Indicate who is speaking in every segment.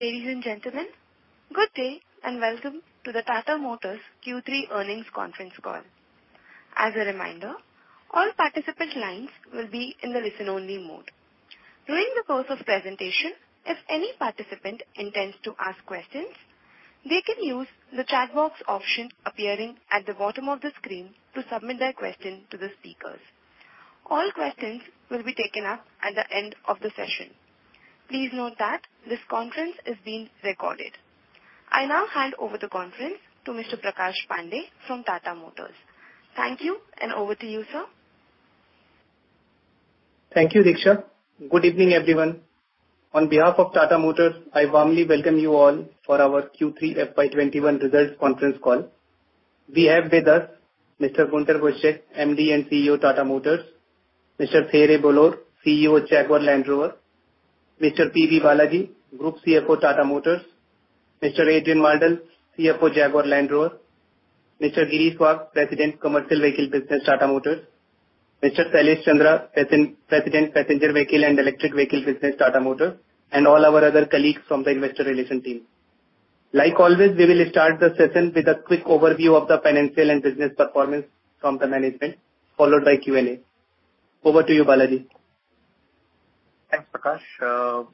Speaker 1: Ladies and gentlemen, good day and welcome to the Tata Motors Q3 Earnings Conference Call. As a reminder, all participant lines will be in the listen-only mode. During the course of presentation, if any participant intends to ask questions, they can use the chat box option appearing at the bottom of the screen to submit their question to the speakers. All questions will be taken up at the end of the session. Please note that this conference is being recorded. I now hand over the conference to Mr. Prakash Pandey from Tata Motors. Thank you, and over to you, sir.
Speaker 2: Thank you, Diksha. Good evening, everyone. On behalf of Tata Motors, I warmly welcome you all for our Q3 FY 2021 Results Conference Call. We have with us Mr. Guenter Butschek, MD and CEO, Tata Motors; Mr. Thierry Bolloré, CEO, Jaguar Land Rover; Mr. P.B. Balaji, Group CFO, Tata Motors; Mr. Adrian Mardell, CFO, Jaguar Land Rover; Mr. Girish Wagh, President, Commercial Vehicle Business, Tata Motors; Mr. Shailesh Chandra, President, Passenger Vehicle and Electric Vehicle Business, Tata Motors; and all our other colleagues from the investor relation team. Like always, we will start the session with a quick overview of the financial and business performance from the management, followed by Q&A. Over to you, Balaji.
Speaker 3: Thanks, Prakash.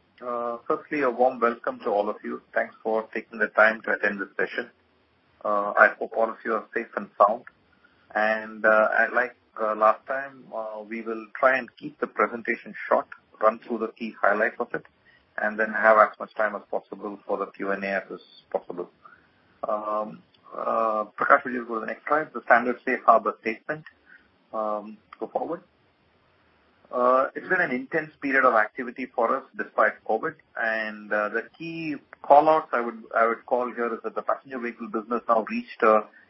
Speaker 3: Firstly, a warm welcome to all of you. Thanks for taking the time to attend this session. I hope all of you are safe and sound. Like last time, we will try and keep the presentation short, run through the key highlights of it, and then have as much time as possible for the Q&A as is possible. Prakash will just go to the next slide, the standard safe harbor statement. Go forward. It's been an intense period of activity for us despite COVID, and the key call-outs I would call here is that the passenger vehicle business now,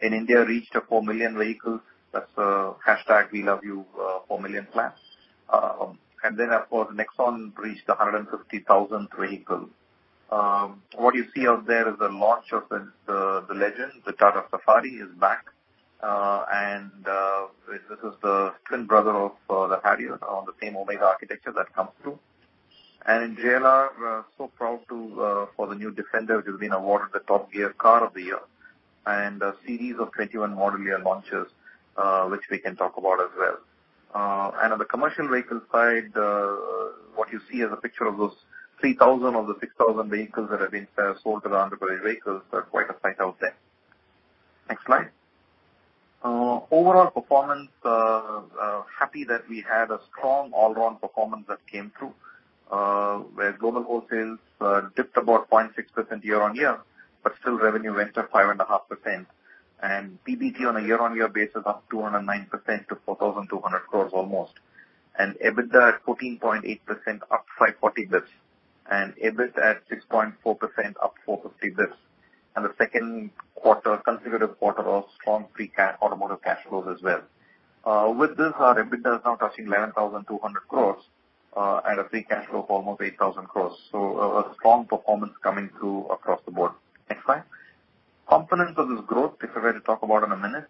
Speaker 3: in India, reached 4 million vehicles. That's hashtag We Love You, #4MillionClaps. Then, of course, Nexon reached the 150,000th vehicle. What you see out there is the launch of the legend. The Tata Safari is back, and this is the twin brother of the Harrier on the same OMEGA architecture that comes through. JLR, so proud for the new Defender, which has been awarded the Top Gear Car of the Year, and a series of 21 model year launches, which we can talk about as well. On the commercial vehicle side, what you see is a picture of those 3,000 of the 6,000 vehicles that have been sold to the armed forces vehicles. They're quite a sight out there. Next slide. Overall performance, happy that we had a strong all-around performance that came through, where global wholesales dipped about 0.6% year-on-year, but still revenue went up 5.5%, and PBT on a year-on-year basis, up 209% to 4,200 crores almost, and EBITDA at 14.8%, up 540 basis points, and EBIT at 6.4%, up 450 basis points. The second consecutive quarter of strong free automotive cash flows as well. With this, our EBITDA is now touching 11,200 crore at a free cash flow of almost 8,000 crore. A strong performance coming through across the board. Next slide. Components of this growth, if I were to talk about in a minute,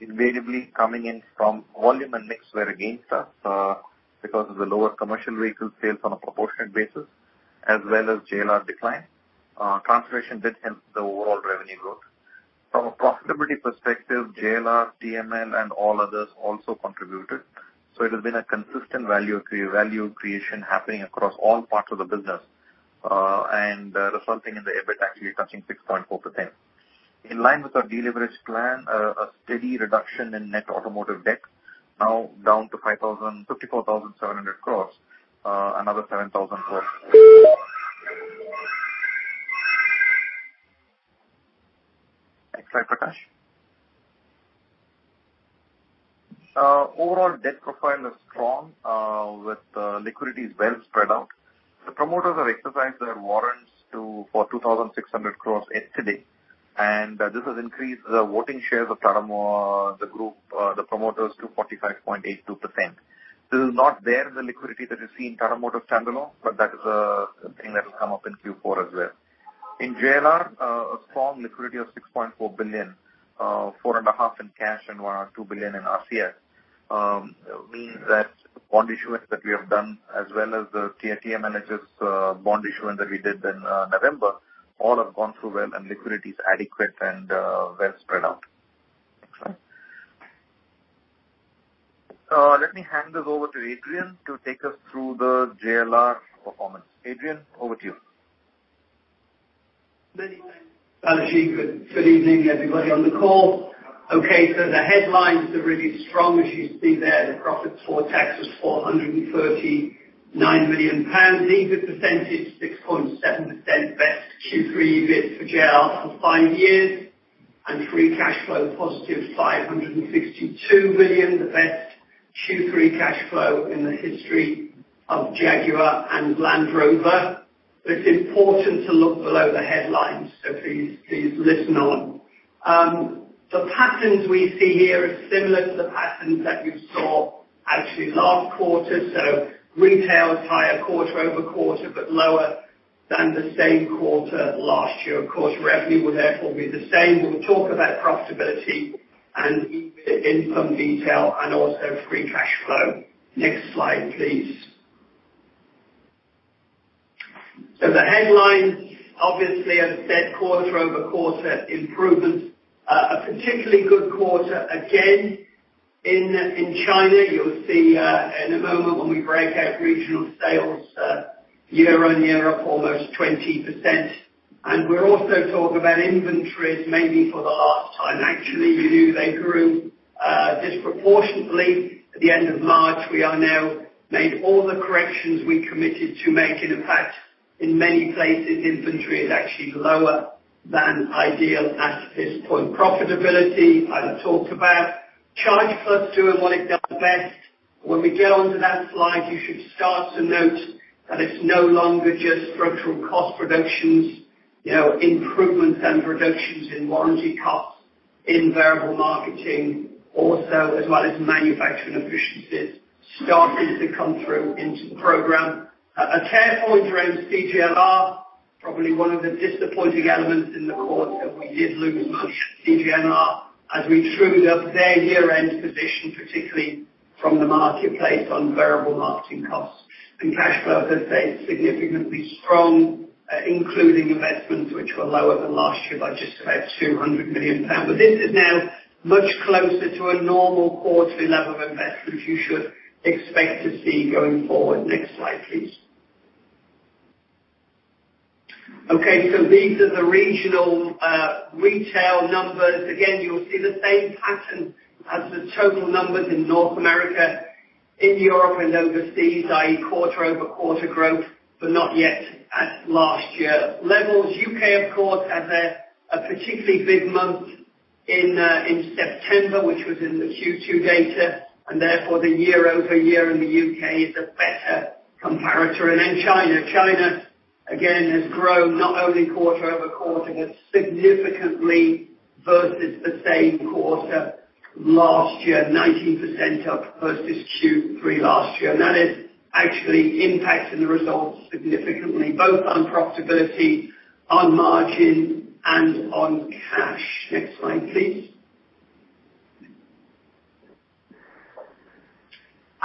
Speaker 3: invariably coming in from volume and mix were against us, because of the lower commercial vehicle sales on a proportionate basis, as well as JLR decline. Compensation did enhance the overall revenue growth. From a profitability perspective, JLR, TML, and all others also contributed. It has been a consistent value creation happening across all parts of the business, and resulting in the EBIT actually touching 6.4%. In line with our de-leverage plan, a steady reduction in net automotive debt, now down to 54,700 crore, another 7,000 crore. Next slide, Prakash. Overall debt profile is strong, with liquidities well spread out. This has increased the voting shares of the group, the promoters, to 45.82%. The promoters have exercised their warrants for INR 2,600 crore yesterday. This is not there, the liquidity that you see in Tata Motors standalone, that is a thing that will come up in Q4 as well. In JLR, a strong liquidity of $6.4 billion, $4.5 in cash and $2 billion in RCF, means that bond issuance that we have done as well as the TML's bond issuance that we did in November, all have gone through well. Liquidity is adequate and well spread out. Next slide. Let me hand this over to Adrian to take us through the JLR performance. Adrian, over to you.
Speaker 4: Many thanks, Balaji. Good evening, everybody on the call. The headlines are really strong, as you see there, the profits before tax was 439 million pounds. EBIT percentage, 6.7%, best Q3 EBIT for JLR for five years, and free cash flow positive, $562 million, the best Q3 cash flow in the history of Jaguar Land Rover. It's important to look below the headlines, please listen on. The patterns we see here are similar to the patterns that you saw actually last quarter. Retail is higher quarter-over-quarter, but lower than the same quarter last year. Of course, revenue will therefore be the same. We'll talk about profitability, and a bit of income detail and also free cash flow. Next slide, please. The headline, obviously, as I said, quarter-over-quarter improvement. A particularly good quarter, again, in China. You'll see in a moment when we break out regional sales year-on-year up almost 20%. We'll also talk about inventories maybe for the last time. Actually, you knew they grew disproportionately at the end of March. We have now made all the corrections we committed to make. In fact, in many places, inventory is actually lower than ideal at this point. Profitability, I talked about. Charge+ doing what it does best. When we get onto that slide, you should start to note that it's no longer just structural cost reductions, improvements and reductions in warranty costs, in variable marketing, also as well as manufacturing efficiencies starting to come through into the program. CJLR, probably one of the disappointing elements in the quarter. We did lose much CJLR as we trued up their year-end position, particularly from the marketplace on variable marketing costs. Cash flow, as I say, significantly strong, including investments which were lower than last year by just about 200 million pounds. This is now much closer to a normal quarterly level of investments you should expect to see going forward. Next slide, please. These are the regional retail numbers. Again, you'll see the same pattern as the total numbers in North America, in Europe and overseas, i.e., quarter-over-quarter growth, but not yet at last year levels. U.K., of course, had a particularly big month in September, which was in the Q2 data, and therefore the year-over-year in the U.K. is a better comparator. China. China again, has grown not only quarter-over-quarter but significantly versus the same quarter last year, 19% up versus Q3 last year. That is actually impacting the results significantly, both on profitability, on margin, and on cash. Next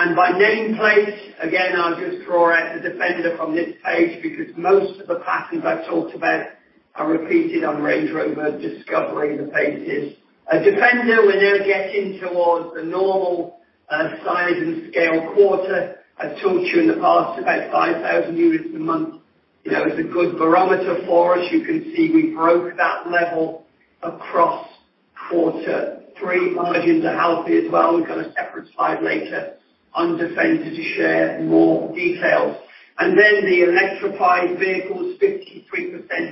Speaker 4: slide, please. By nameplate, again, I'll just draw out the Defender from this page because most of the patterns I talked about are repeated on Range Rover Discovery, the pages. At Defender, we're now getting towards the normal size and scale quarter. I've told you in the past, about 5,000 units a month is a good barometer for us. You can see we broke that level across quarter three. Margins are healthy as well. We've got a separate slide later on Defender to share more details. Then the electrified vehicles, 53%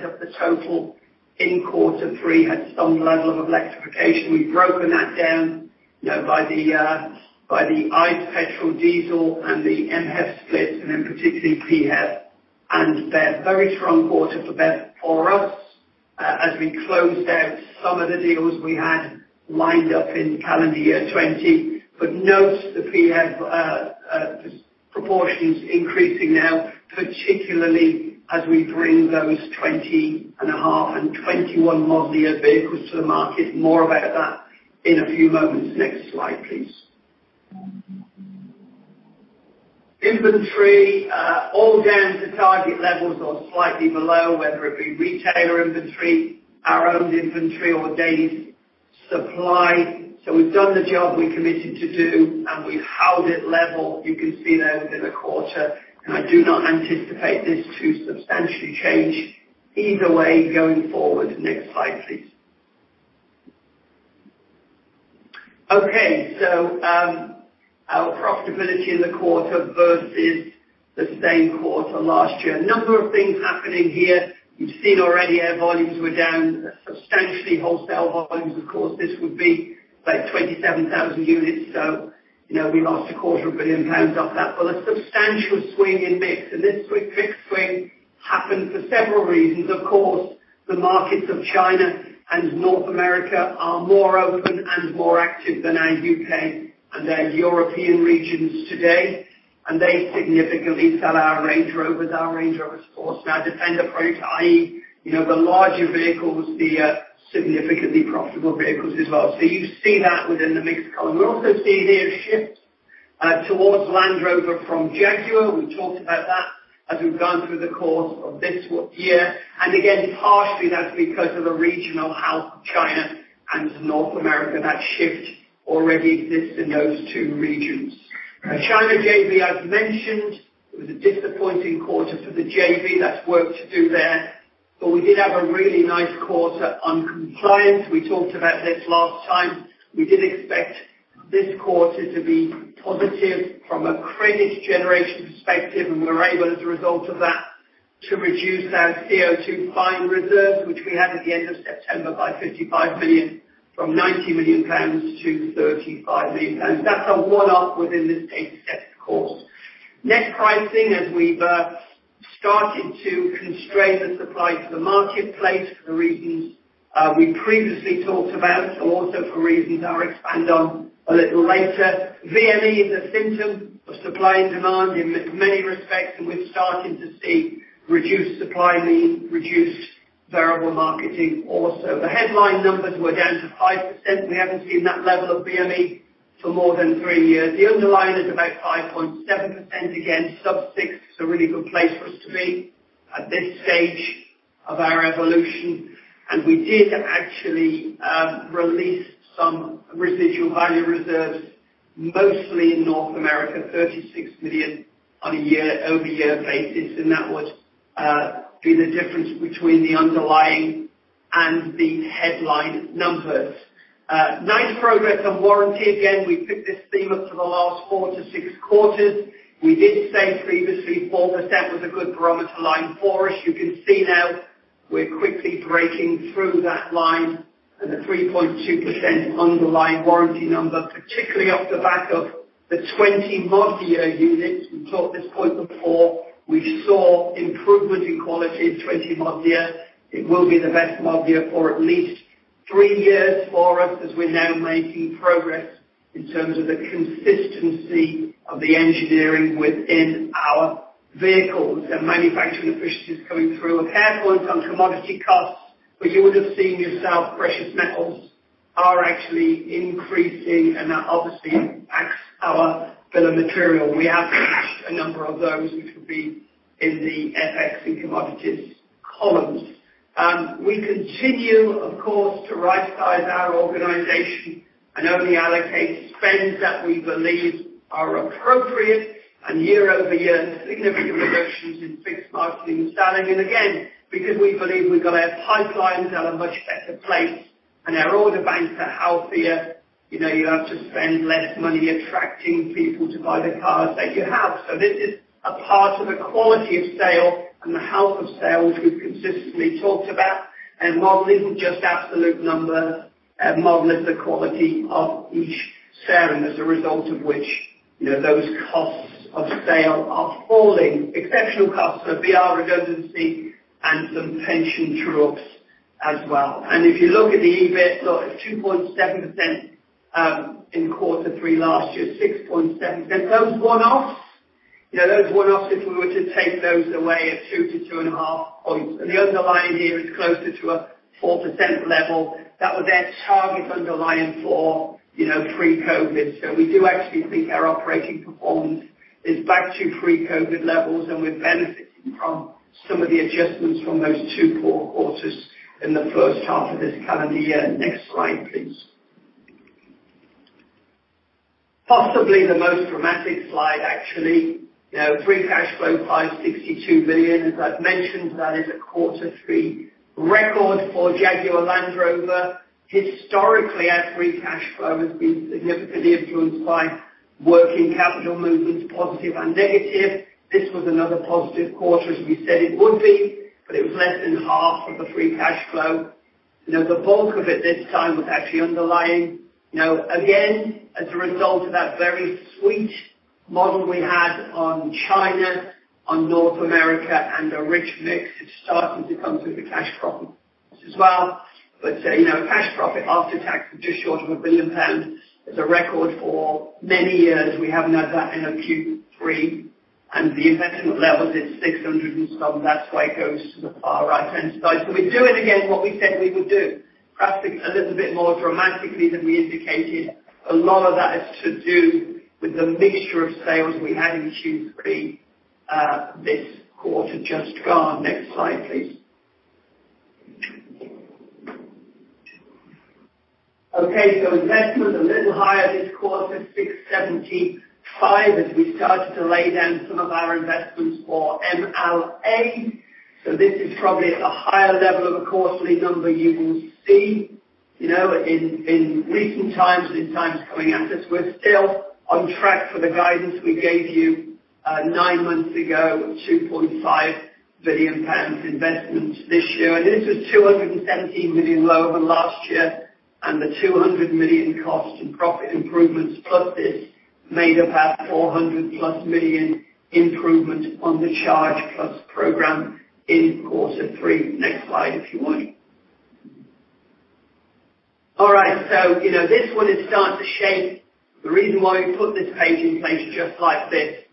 Speaker 4: of the total in quarter three had some level of electrification. We've broken that down by the ICE petrol, diesel and the MHEV split, and in particular, PHEV. They're a very strong quarter for us as we closed out some of the deals we had lined up in calendar year 2020. Note the PHEV proportions increasing now, particularly as we bring those 20.5 and 21 model year vehicles to the market. More about that in a few moments. Next slide, please. Inventory all down to target levels or slightly below, whether it be retailer inventory, our own inventory, or days supply. We've done the job we committed to do, and we've held it level. You can see there within the quarter, and I do not anticipate this to substantially change either way going forward. Next slide, please. Our profitability in the quarter versus the same quarter last year. A number of things happening here. You've seen already our volumes were down substantially. Wholesale volumes, of course, this would be about 27,000 units, so we lost a quarter of a billion pounds off that. A substantial swing in mix. This quick mix swing happened for several reasons. Of course, the markets of China and North America are more open and more active than our U.K. and European regions today. They significantly sell our Range Rovers, our Range Rover Sport, our Defender Proto, i.e., the larger vehicles, the significantly profitable vehicles as well. You see that within the mix column. We also see here shifts towards Land Rover from Jaguar. We talked about that as we've gone through the course of this year. Again, partially that's because of the regional health of China and North America. That shift already exists in those two regions. China JV, as mentioned, it was a disappointing quarter for the JV. That's work to do there. We did have a really nice quarter on compliance. We talked about this last time. We did expect this quarter to be positive from a credit generation perspective, and we were able, as a result of that, to reduce our CO2 fine reserve, which we had at the end of September, by 55 million from 90 million pounds to 35 million pounds. That's a one-off within this data set, of course. Net pricing as we've started to constrain the supply to the marketplace for the reasons we previously talked about, and also for reasons I'll expand on a little later. VME is a symptom of supply and demand in many respects, and we're starting to see reduce supply need, reduce variable marketing also. The headline numbers were down to 5%. We haven't seen that level of VME for more than three years. The underlying is about 5.7%. Again, sub six is a really good place for us to be at this stage of our evolution. We did actually release some residual value reserves, mostly in North America, $36 million on a year-over-year basis. That would be the difference between the underlying and the headline numbers. Nice progress on warranty. Again, we picked this theme up for the last four to six quarters. We did say previously 4% was a good barometer line for us. You can see now we're quickly breaking through that line and a 3.2% underlying warranty number, particularly off the back of the 20 model year units. We touched this point before. We saw improvement in quality of 20 model year. It will be the best model year for at least three years for us as we're now making progress in terms of the consistency of the engineering within our vehicles and manufacturing efficiencies coming through. A fair point on commodity costs. You would have seen yourself, precious metals are actually increasing and that obviously impacts our bill of material. We have a number of those which will be in the FX and commodities columns. We continue, of course, to rightsize our organization and only allocate spends that we believe are appropriate and year-over-year, significant reductions in fixed marketing standing. Again, because we believe we've got our pipelines at a much better place and our order banks are healthier. You have to spend less money attracting people to buy the cars that you have. This is a part of the quality of sale and the health of sales we've consistently talked about. Model isn't just absolute number, model is the quality of each sale. As a result of which those costs of sale are falling. Exceptional costs are VR redundancy and some pension true-ups as well. If you look at the EBIT, 2.7% in quarter three last year, 6.7%. Those one-offs, if we were to take those away are two to two and a half points. The underlying here is closer to a 4% level. That was our target underlying for pre-COVID. We do actually think our operating performance is back to pre-COVID levels, and we're benefiting from some of the adjustments from those two poor quarters in the first half of this calendar year. Next slide, please. Possibly the most dramatic slide, actually. Free cash flow, 562 million. As I've mentioned, that is a quarter 3 record for Jaguar Land Rover. Historically, our free cash flow has been significantly influenced by working capital movements, positive and negative. This was another positive quarter as we said it would be, but it was better than half of the free cash flow. The bulk of it this time was actually underlying. As a result of that very sweet model we had on China, on North America, and a rich mix. It's starting to come through the cash problem as well. Cash profit after tax was just short of 1 billion pounds. It's a record for many years. We haven't had that in a Q3. The investment levels at 600 and some, that's why it goes to the far right-hand side. We're doing again what we said we would do, perhaps a little bit more dramatically than we indicated. A lot of that is to do with the mixture of sales we had in Q3 this quarter just gone. Next slide, please. Investment a little higher this quarter, 675 million, as we started to lay down some of our investments for M&A. This is probably at the higher level of a quarterly number you will see in recent times and in times coming at us. We're still on track for the guidance we gave you nine months ago of 2.5 billion pounds investment this year. This was 217 million lower than last year. The 200 million cost and profit improvements plus this made about 400-plus million improvement on the Charge+ program in quarter three. Next slide, if you would. This one is starting to shape. The reason why we put this page in place just like this,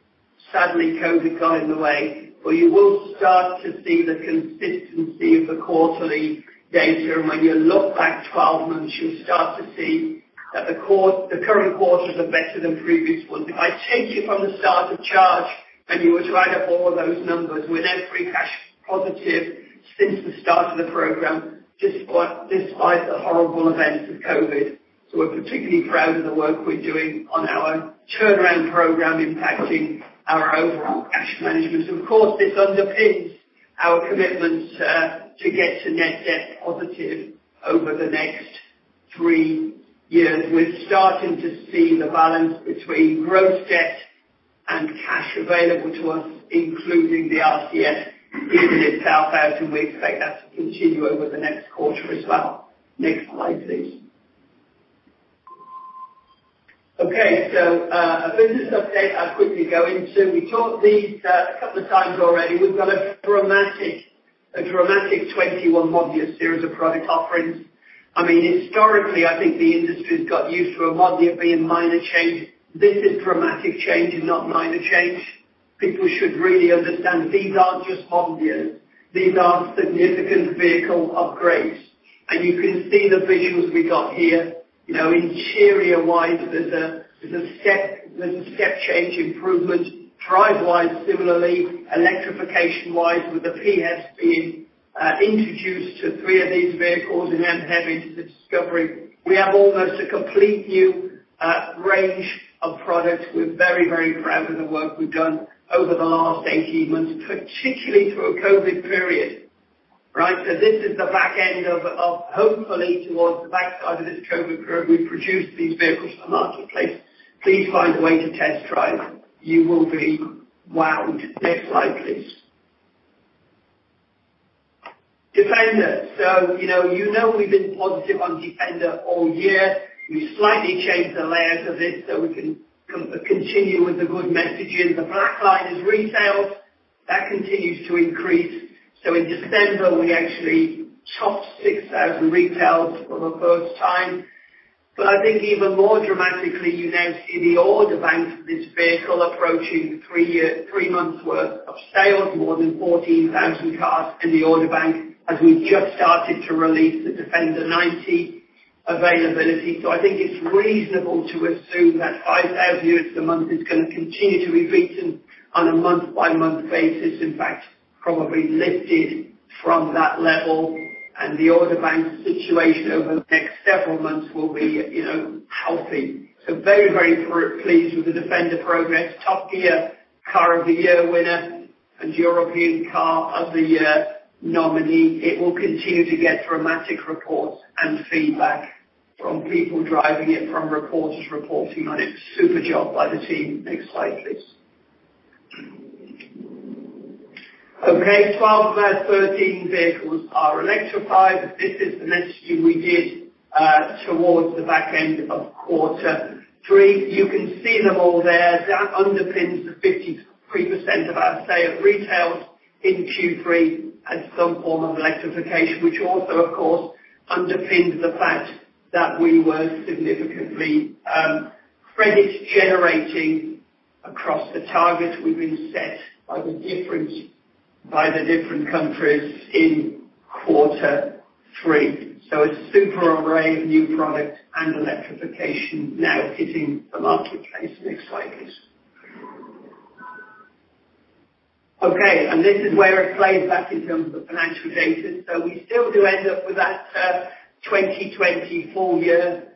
Speaker 4: sadly, COVID got in the way. You will start to see the consistency of the quarterly data. When you look back 12 months, you'll start to see that the current quarters are better than previous ones. If I take you from the start of Charge and you were to add up all of those numbers, we're now free cash positive since the start of the program, despite the horrible events of COVID. We're particularly proud of the work we're doing on our own turnaround program impacting our overall cash management. Of course, this underpins our commitment to get to net debt positive over the next three years. We're starting to see the balance between gross debt and cash available to us, including the RCF, even itself out, and we expect that to continue over the next quarter as well. Next slide, please. Okay, a business update I'll quickly go into. We talked these a couple of times already. We've got a dramatic 21 model year series of product offerings. Historically, I think the industry's got used to a model year being minor change. This is dramatic change and not minor change. People should really understand these aren't just model years, these are significant vehicle upgrades. You can see the visuals we got here. Interior-wise, there's a step change improvement. Drive-wise, similarly. Electrification-wise, with the PHEV being introduced to three of these vehicles and then heading into Discovery. We have almost a complete new range of products. We're very proud of the work we've done over the last 18 months, particularly through a COVID period. This is the back end of, hopefully, towards the back side of this COVID period, we've produced these vehicles for the marketplace. Please find a way to test drive. You will be wowed. Next slide, please. Defender. You know we've been positive on Defender all year. We slightly changed the layers of this so we can continue with the good messaging. The black line is retail. That continues to increase. In December, we actually topped 6,000 retails for the first time. I think even more dramatically, you now see the order bank for this vehicle approaching three months worth of sales, more than 14,000 cars in the order bank, as we just started to release the Defender 90 availability. I think it's reasonable to assume that 5,000 units a month is going to continue to be beaten on a month-by-month basis. In fact, probably lifted from that level, and the order bank situation over the next several months will be healthy. Very pleased with the Defender progress. Top Gear Car of the Year winner and European Car of the Year nominee. It will continue to get dramatic reports and feedback from people driving it, from reporters reporting on it. Super job by the team. Next slide, please. 12 of our 13 vehicles are electrified. This is the messaging we did towards the back end of quarter three. You can see them all there. That underpins the 53% of our sales retail in Q3 had some form of electrification, which also, of course, underpins the fact that we were significantly credit generating across the targets we've been set by the different countries in quarter three. It's a super array of new product and electrification now hitting the marketplace. Next slide, please. This is where it plays back in terms of financial data. We still do end up with that 2020 full year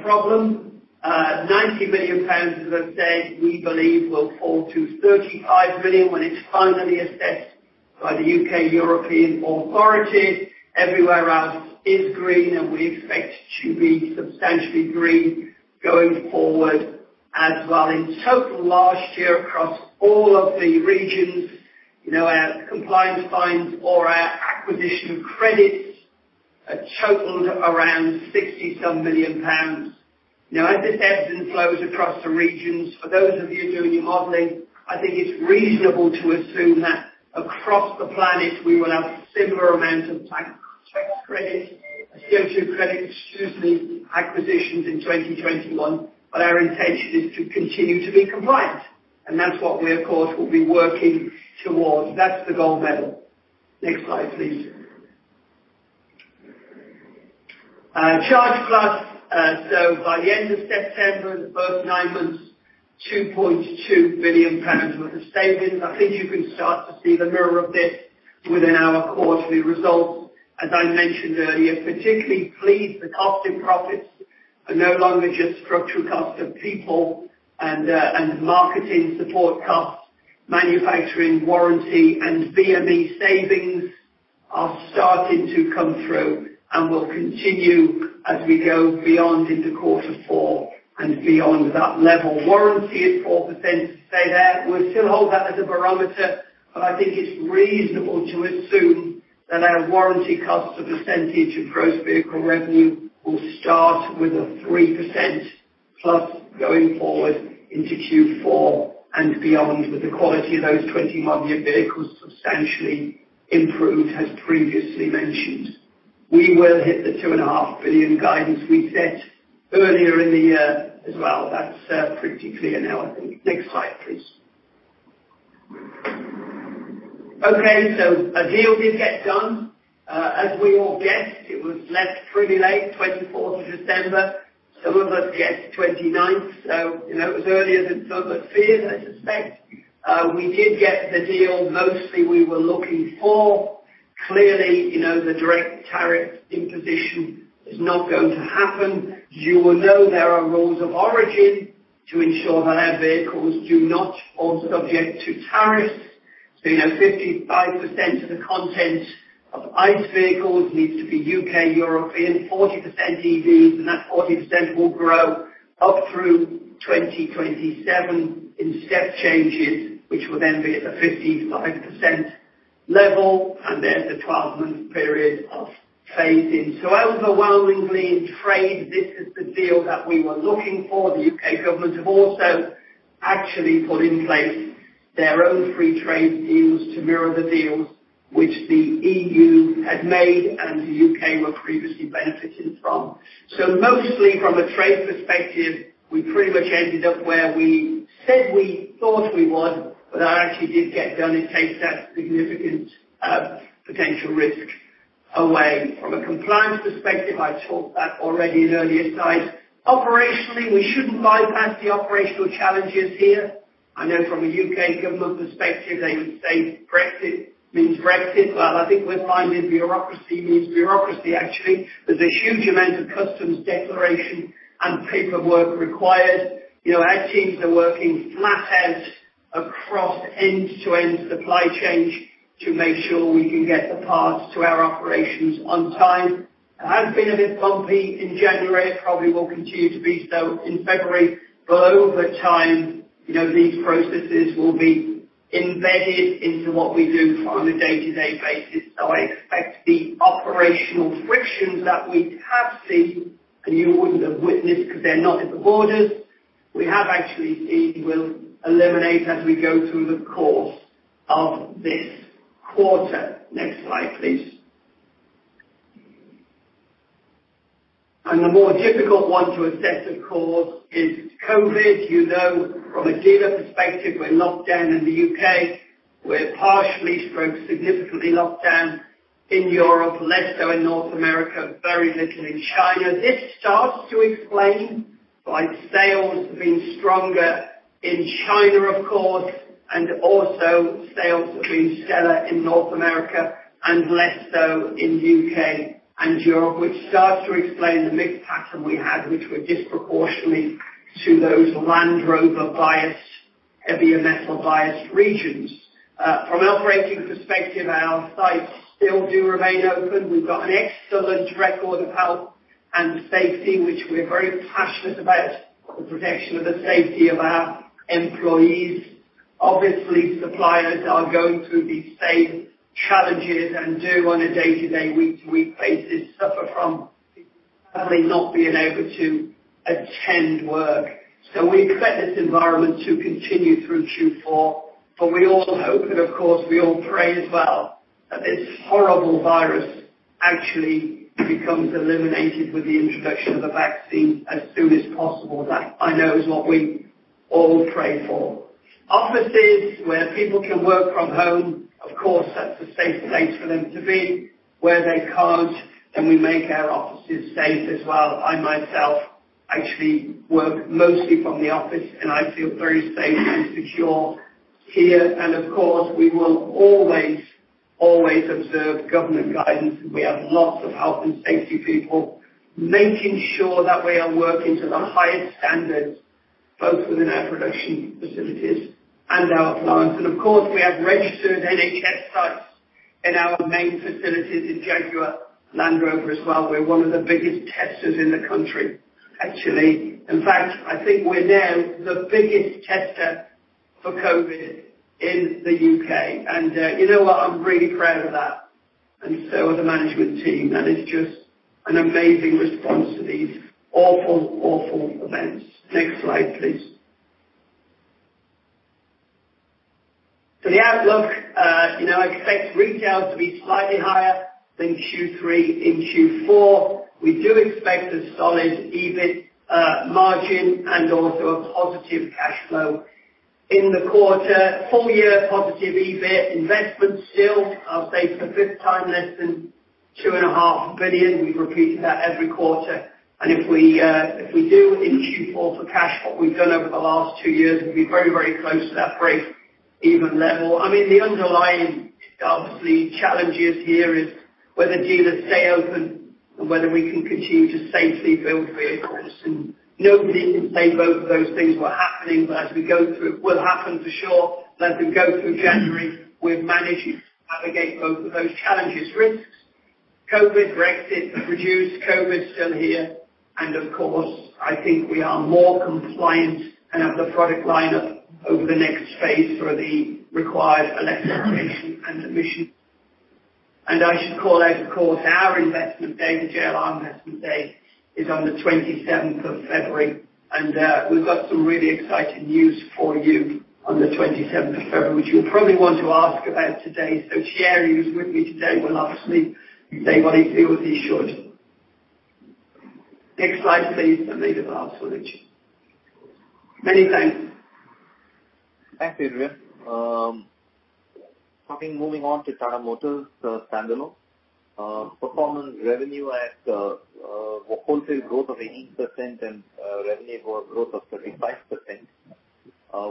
Speaker 4: problem. 90 million pounds, as I've said, we believe will fall to 35 million when it's finally assessed by the U.K. European authorities. Everywhere else is green, and we expect to be substantially green going forward as well. In total, last year, across all of the regions, our compliance fines or our acquisition credits totaled around 60-some million pounds. As it ebbs and flows across the regions, for those of you doing your modeling, I think it's reasonable to assume that across the planet, we will have similar amounts of tax credits, CO2 credits through the acquisitions in 2021. Our intention is to continue to be compliant, and that's what we, of course, will be working towards. That's the gold medal. Next slide, please. Charge+. By the end of September, the first nine months, 2.2 billion pounds worth of savings. I think you can start to see the mirror of this within our quarterly results, as I mentioned earlier. Particularly pleased the cost and profits are no longer just structural costs of people and marketing support costs. Manufacturing, warranty, and VME savings are starting to come through and will continue as we go beyond into quarter four and beyond that level. Warranty at 4% will stay there. We'll still hold that as a barometer, but I think it's reasonable to assume that our warranty costs as a percentage of gross vehicle revenue will start with a 3%+ going forward into Q4 and beyond, with the quality of those 20 model year vehicles substantially improved, as previously mentioned. We will hit the 2.5 billion guidance we set earlier in the year as well. That's pretty clear now, I think. Next slide, please. A deal did get done. As we all guessed, it was left pretty late, 24th of December. Some of us guessed 29th. It was earlier than some had feared, I suspect. We did get the deal mostly we were looking for. Clearly, the direct tariff imposition is not going to happen. You will know there are rules of origin to ensure that our vehicles do not fall subject to tariffs. 55% of the content of ICE vehicles needs to be U.K. European, 40% EVs, and that 40% will grow up through 2027 in step changes, which will then be at the 55% level, and there's a 12-month period of phasing. Overwhelmingly in trade, this is the deal that we were looking for. The U.K. government have also actually put in place their own free trade deals to mirror the deals which the EU had made and the U.K. were previously benefiting from. Mostly from a trade perspective, we pretty much ended up where we said we thought we would, but I actually did get done in case that significant potential risk away. From a compliance perspective, I talked that already in earlier slides. Operationally, we shouldn't bypass the operational challenges here. I know from a U.K. government perspective, they would say Brexit means Brexit, but I think we're finding bureaucracy means bureaucracy, actually. There's a huge amount of customs declaration and paperwork required. Our teams are working flat out across end-to-end supply chains to make sure we can get the parts to our operations on time. It has been a bit bumpy in January. It probably will continue to be so in February. Over time, these processes will be embedded into what we do on a day-to-day basis. I expect the operational frictions that we have seen, and you wouldn't have witnessed because they're not at the borders, we have actually seen will eliminate as we go through the course of this quarter. Next slide, please. The more difficult one to assess, of course, is COVID. You know, from a dealer perspective, we're in lockdown in the U.K. We're partially/significantly locked down in Europe, less so in North America, very little in China. This starts to explain why sales have been stronger in China, of course, and also sales have been stellar in North America and less so in the U.K. and Europe, which starts to explain the mixed pattern we had, which were disproportionately to those Land Rover-biased, EVs-biased regions. From an operating perspective, our sites still do remain open. We've got an excellent record of health and safety, which we're very passionate about the protection of the safety of our employees. Obviously, suppliers are going through these same challenges and do on a day-to-day, week-to-week basis, suffer from people currently not being able to attend work. We expect this environment to continue through Q4. We also hope, and of course, we all pray as well, that this horrible virus actually becomes eliminated with the introduction of a vaccine as soon as possible. That I know is what we all pray for. Offices where people can work from home, of course, that's a safe place for them to be. Where they can't, then we make our offices safe as well. I myself actually work mostly from the office, and I feel very safe and secure here. Of course, we will always observe government guidance. We have lots of health and safety people making sure that we are working to the highest standards, both within our production facilities and our plants. Of course, we have registered NHS sites in our main facilities in Jaguar Land Rover as well. We're one of the biggest testers in the country, actually. In fact, I think we're now the biggest tester for COVID in the U.K. You know what? I'm really proud of that, and so is the management team. That is just an amazing response to these awful events. Next slide, please. The outlook, I expect retail to be slightly higher than Q3 in Q4. We do expect a solid EBIT margin and also a positive cash flow in the quarter. Full year positive EBIT investment still, I'll say for the fifth time, less than 2.5 billion. We've repeated that every quarter. If we do in Q4 for cash what we've done over the last two years, we'll be very, very close to that break-even level. The underlying, obviously, challenges here is whether dealers stay open and whether we can continue to safely build vehicles. Nobody can say both of those things were happening, but as we go through, will happen for sure. As we go through January, we've managed to navigate both of those challenges. Risks, COVID, Brexit reduced. COVID is still here. Of course, I think we are more compliant and have the product lineup over the next phase for the required electrification and emission. I should call out, of course, our investment day, the JLR Investment Day, is on the 27th of February, and we've got some really exciting news for you on the 27th of February, which you'll probably want to ask about today. Thierry, who's with me today, will obviously say what he feels he should. Next slide, please. These are our footage. Many thanks.
Speaker 3: Thanks, Adrian. Moving on to Tata Motors standalone. Performance revenue at wholesale growth of 18% and revenue growth of 35%,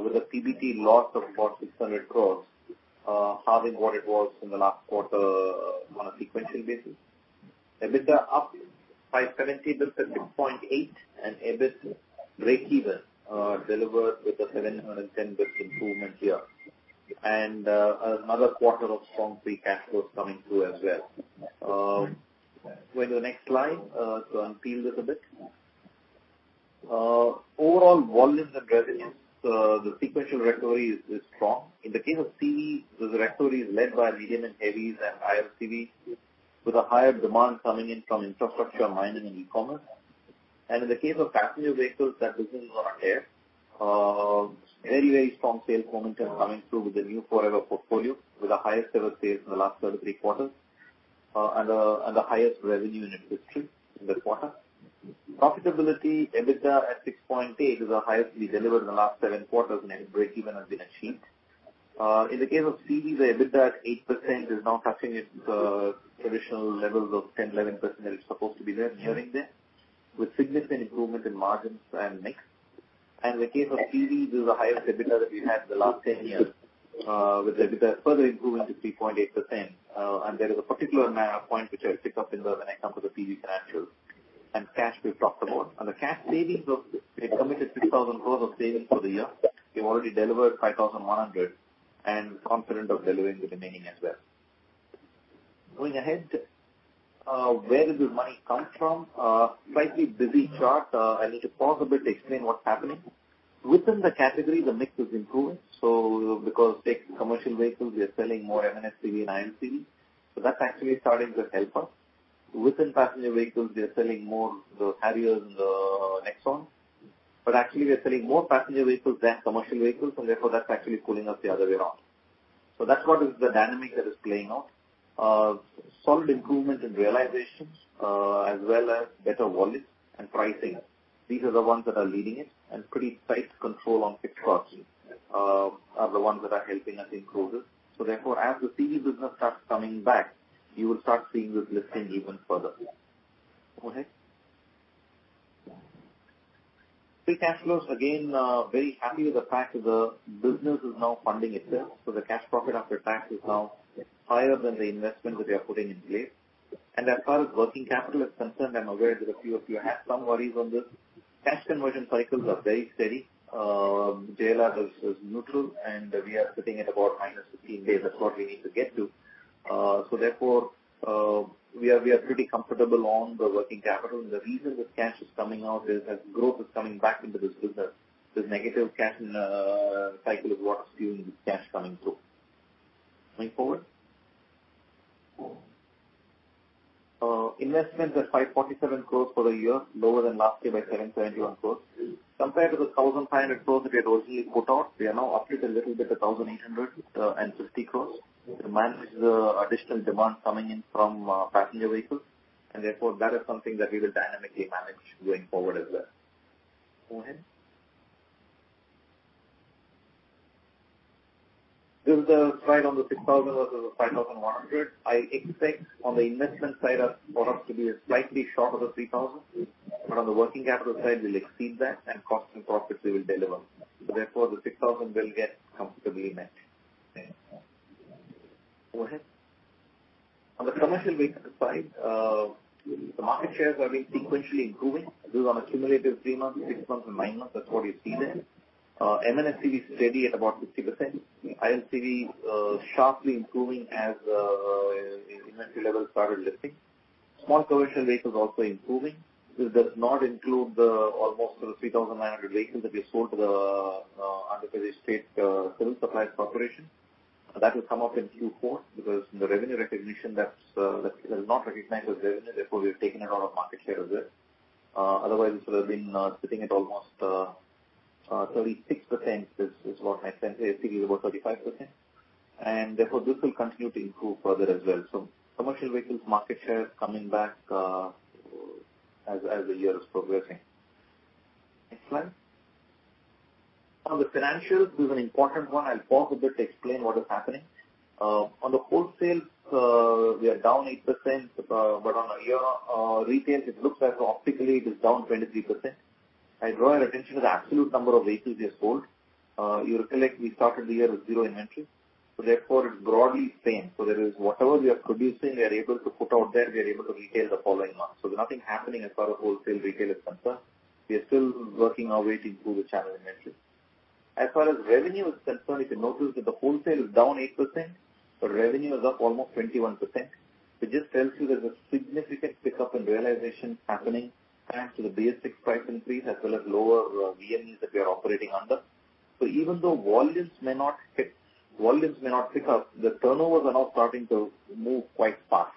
Speaker 3: with a PBT loss of about 600 crores, halving what it was in the last quarter on a sequential basis. EBITDA up by 70 basis point, 8%, and EBIT breakeven delivered with a 710 basis improvement here. Another quarter of strong free cash flow coming through as well. Go to the next slide to unveil this a bit. Overall volumes and resilience, the sequential recovery is strong. In the case of CV, the recovery is led by medium and heavies and higher CVs with a higher demand coming in from infrastructure, mining, and e-commerce. In the case of passenger vehicles, that business is on air. Very strong sales momentum coming through with the New Forever portfolio, with the highest ever sales in the last 33 quarters and the highest revenue in industry in the quarter. Profitability, EBITDA at 6.8% is the highest we delivered in the last seven quarters, and breakeven has been achieved. In the case of CVs, the EBITDA at 8% is now touching its traditional levels of 10%-11% that is supposed to be there, nearing there, with significant improvement in margins and mix. In the case of PVs, this is the highest EBITDA that we've had in the last 10 years, with EBITDA further improving to 3.8%. There is a particular point which I'll pick up when I come to the PV financials and cash we've talked about. On the cash savings, we had committed 3,000 crore of savings for the year. We've already delivered 5,100 and confident of delivering the remaining as well. Going ahead, where did the money come from? Slightly busy chart. I need to pause a bit to explain what's happening. Within the category, the mix is improving. Because take commercial vehicles, we are selling more M&HCV and ICV, that's actually starting to help us. Within passenger vehicles, we are selling more Harrier than Nexon. Actually, we are selling more passenger vehicles than commercial vehicles, that's actually pulling us the other way around. That's what is the dynamic that is playing out. Solid improvement in realizations, as well as better volumes and pricing. These are the ones that are leading it. Pretty tight control on fixed costs are the ones that are helping us improve this. Therefore, as the CV business starts coming back, you will start seeing this lifting even further. Go ahead. Free cash flows, again, very happy with the fact that the business is now funding itself, so the cash profit after tax is now higher than the investment that we are putting in place. As far as working capital is concerned, I'm aware that a few of you had some worries on this. Cash conversion cycles are very steady. JLR is neutral, and we are sitting at about -15 days. That's what we need to get to. Therefore, we are pretty comfortable on the working capital. The reason that cash is coming out is that growth is coming back into this business. This negative cash cycle is what's giving the cash coming through. Going forward. Investments at 547 crore for the year, lower than last year by 771 crore. Compared to the 1,500 crore that we had originally put out, we are now uplift a little bit to 1,850 crore to manage the additional demand coming in from passenger vehicles. Therefore, that is something that we will dynamically manage going forward as well. Go ahead. This is the slide on the 6,000 crore versus the 5,100 crore. I expect on the investment side for us to be slightly short of the 3,000 crore. On the working capital side, we'll exceed that and cost and profits we will deliver. Therefore, the 6,000 crore will get comfortably met. Go ahead. On the commercial vehicle side, the market shares are being sequentially improving. This is on a cumulative three months, six months, and nine months. That's what you see there. M&HCV is steady at about 60%. ILCV sharply improving as inventory levels started lifting. Small commercial vehicles also improving. This does not include the almost 3,900 vehicles that we sold to the Andhra Pradesh State Civil Supplies Corporation. That will come up in Q4 because the revenue recognition, that is not recognized as revenue, therefore, we've taken a lot of market share of this. This would have been sitting at almost 36%, is what I sense. I think it is about 35%. This will continue to improve further as well. Commercial vehicles market share is coming back as the year is progressing. Next slide. On the financials, this is an important one. I'll pause a bit to explain what is happening. On the wholesale, we are down 8%, but on a year on retail, it looks as though optically it is down 23%. I draw your attention to the absolute number of vehicles we have sold. You'll recollect we started the year with zero inventory, therefore it's broadly the same. There is whatever we are producing, we are able to put out there, we are able to retail the following month. There's nothing happening as far as wholesale retail is concerned. We are still working our way to improve the channel inventory. As far as revenue is concerned, if you notice that the wholesale is down 8%, but revenue is up almost 21%, which just tells you there's a significant pickup in realization happening thanks to the BS-VI price increase as well as lower VMEs that we are operating under. Even though volumes may not pick up, the turnovers are now starting to move quite fast.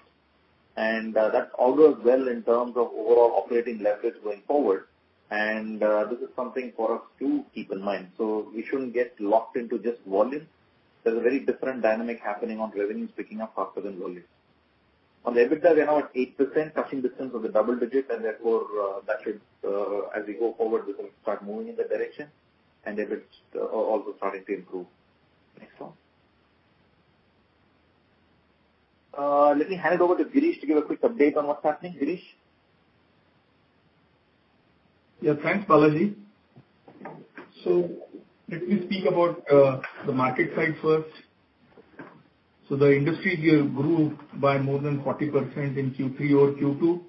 Speaker 3: That bodes well in terms of overall operating leverage going forward. This is something for us to keep in mind. We shouldn't get locked into just volume. There's a very different dynamic happening on revenues picking up faster than volumes. On the EBITDA, we are now at 8%, touching distance of the double digits, and therefore as we go forward, we can start moving in that direction and EBITDA is also starting to improve. Next one. Let me hand it over to Girish to give a quick update on what's happening. Girish?
Speaker 5: Yeah, thanks, Balaji. Let me speak about the market side first. The industry here grew by more than 40% in Q3 over Q2,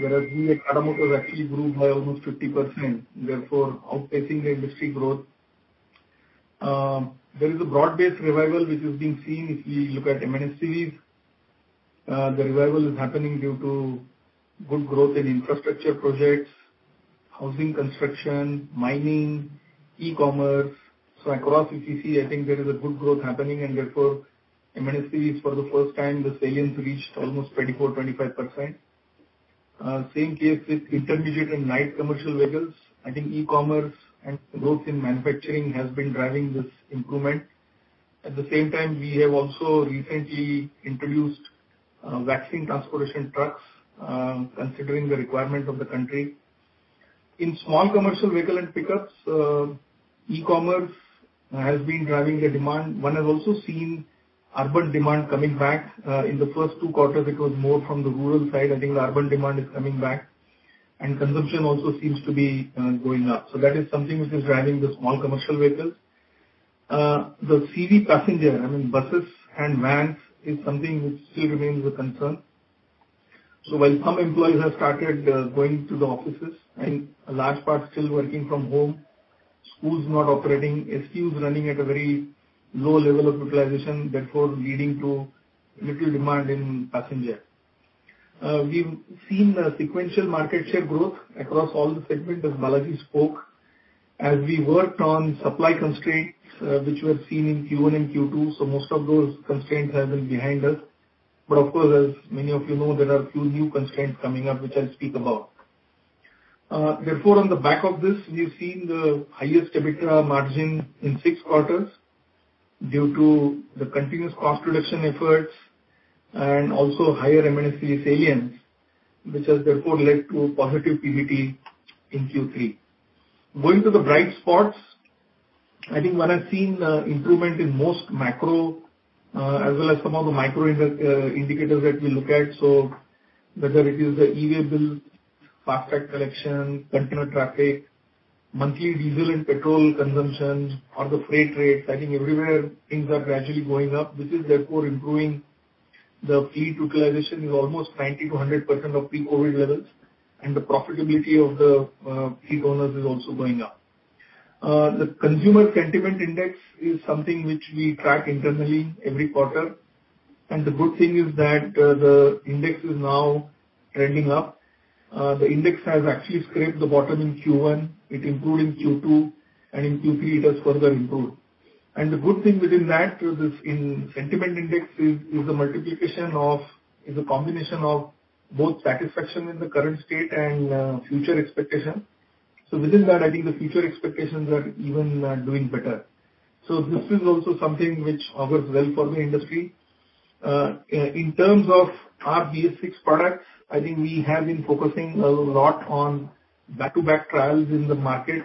Speaker 5: whereas we at Tata Motors actually grew by almost 50%, therefore outpacing the industry growth. There is a broad-based revival which is being seen if you look at M&HCVs. The revival is happening due to good growth in infrastructure projects, housing construction, mining, e-commerce. Across if you see, I think there is a good growth happening and therefore, M&HCVs is for the first time, the salience reached almost 24%-25%. Same case with intermediate and light commercial vehicles. I think e-commerce and growth in manufacturing has been driving this improvement. At the same time, we have also recently introduced vaccine transportation trucks, considering the requirement of the country. In small commercial vehicle and pickups, e-commerce has been driving the demand. One has also seen urban demand coming back. In the first two quarters, it was more from the rural side. I think the urban demand is coming back, and consumption also seems to be going up. That is something which is driving the small commercial vehicles. The CV passenger, I mean, buses and vans, is something which still remains a concern. While some employees have started going to the offices and a large part still working from home, schools not operating, STUs running at a very low level of utilization, therefore leading to little demand in passenger. We've seen a sequential market share growth across all the segments as Balaji spoke, as we worked on supply constraints, which were seen in Q1 and Q2, most of those constraints have been behind us. Of course, as many of you know, there are a few new constraints coming up, which I'll speak about. Therefore, on the back of this, we've seen the highest EBITDA margin in six quarters due to the continuous cost reduction efforts and also higher M&HCV salience, which has therefore led to positive PBT in Q3. Going to the bright spots, I think one has seen improvement in most macro, as well as some of the micro indicators that we look at. Whether it is the e-way bill, FASTag collection, container traffic, monthly diesel and petrol consumptions or the freight rates, I think everywhere things are gradually going up. This is therefore improving the fleet utilization to almost 90%-100% of pre-COVID levels, and the profitability of the fleet owners is also going up. The consumer sentiment index is something which we track internally every quarter, and the good thing is that the index is now trending up. The index has actually scraped the bottom in Q1. It improved in Q2, and in Q3 it has further improved. The good thing within that is this sentiment index is a combination of both satisfaction in the current state and future expectation. Within that, I think the future expectations are even doing better. This is also something which augurs well for the industry. In terms of our BS6 products, I think we have been focusing a lot on back-to-back trials in the market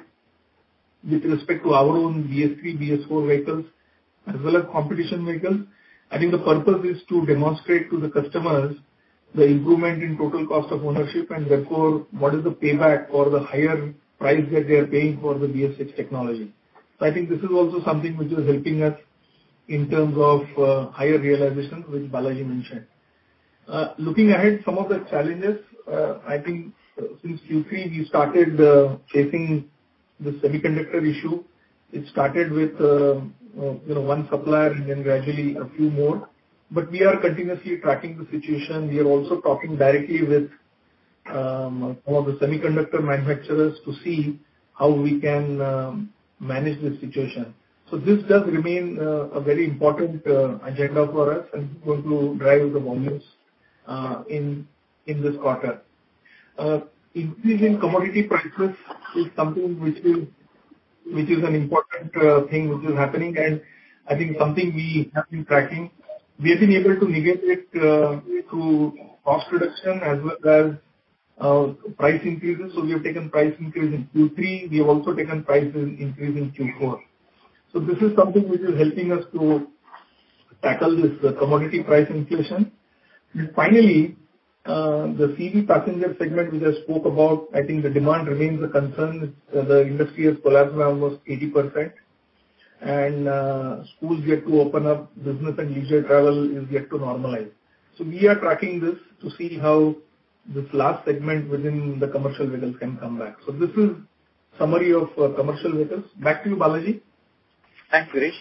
Speaker 5: with respect to our own BS3, BS4 vehicles as well as competition vehicles. I think the purpose is to demonstrate to the customers the improvement in total cost of ownership and therefore what is the payback for the higher price that they are paying for the BS6 technology. I think this is also something which is helping us in terms of higher realization, which Balaji mentioned. Looking ahead, some of the challenges, I think since Q3, we started chasing the semiconductor issue. It started with one supplier and then gradually a few more. We are continuously tracking the situation. We are also talking directly with all the semiconductor manufacturers to see how we can manage this situation. This does remain a very important agenda for us and going to drive the volumes in this quarter. Increase in commodity prices is something which is an important thing which is happening and I think something we have been tracking. We have been able to mitigate it through cost reduction as well as price increases. We have taken price increase in Q3, we have also taken price increase in Q4. This is something which is helping us to tackle this commodity price inflation. Finally, the CV passenger segment which I spoke about, I think the demand remains a concern. The industry has collapsed by almost 80%, and schools yet to open up, business and leisure travel is yet to normalize. We are tracking this to see how this last segment within the commercial vehicles can come back. This is summary of commercial vehicles. Back to you, Balaji.
Speaker 3: Thanks, Girish.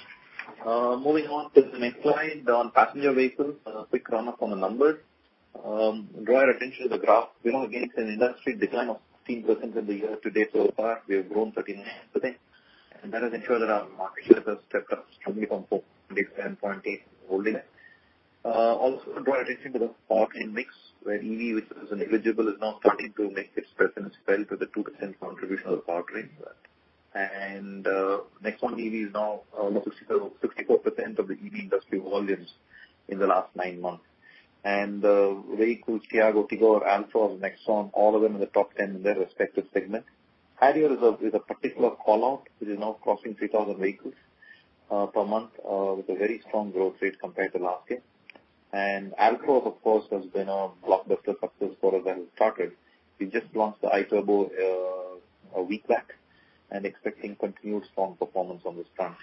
Speaker 3: Moving on to the next slide on passenger vehicles. A quick run up on the numbers. Draw your attention to the graph. We know against an industry decline of 16% in the year to date so far, we have grown 39%. That has ensured that our market share has stepped up strongly from 4.8% to 7.8% holding there. Also draw your attention to the powertrain mix, where EV, which was a negligible, is now starting to make its presence felt with a 2% contribution of the powertrain. Nexon EV is now almost 64% of the EV industry volumes in the last nine months. Vehicles Tiago, Tigor, Altroz, Nexon, all of them in the top 10 in their respective segment. Harrier is a particular call-out, which is now crossing 3,000 vehicles per month with a very strong growth rate compared to last year. Altroz, of course, has been a blockbuster success for us as it started. We just launched the iTurbo a week back and expecting continued strong performance on this front.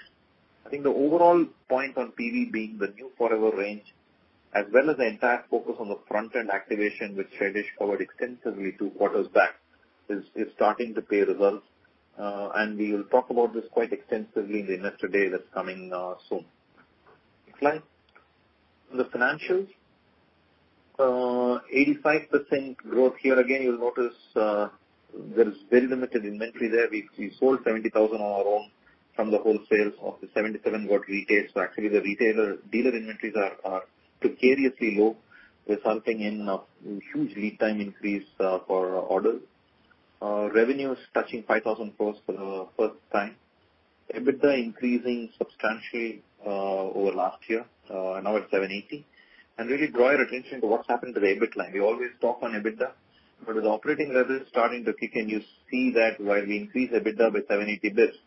Speaker 3: The overall point on PV being the New Forever range, as well as the entire focus on the front-end activation, which Girish covered extensively two quarters back is starting to pay results. We will talk about this quite extensively in the investor day that's coming soon. Next slide. The financials. 85% growth here. Again, you will notice there is very limited inventory there. We sold 70,000 on our own from the wholesales of the 77,000 what retails. Actually, the retailer dealer inventories are precariously low, resulting in a huge lead time increase for orders. Revenues touching 5,000 crores for the first time. EBITDA increasing substantially over last year, now at 780 basis points. Really draw your attention to what's happened to the EBIT line. We always talk on EBITDA, but as operating leverage starting to kick in, you see that while we increase EBITDA by 780 basis points,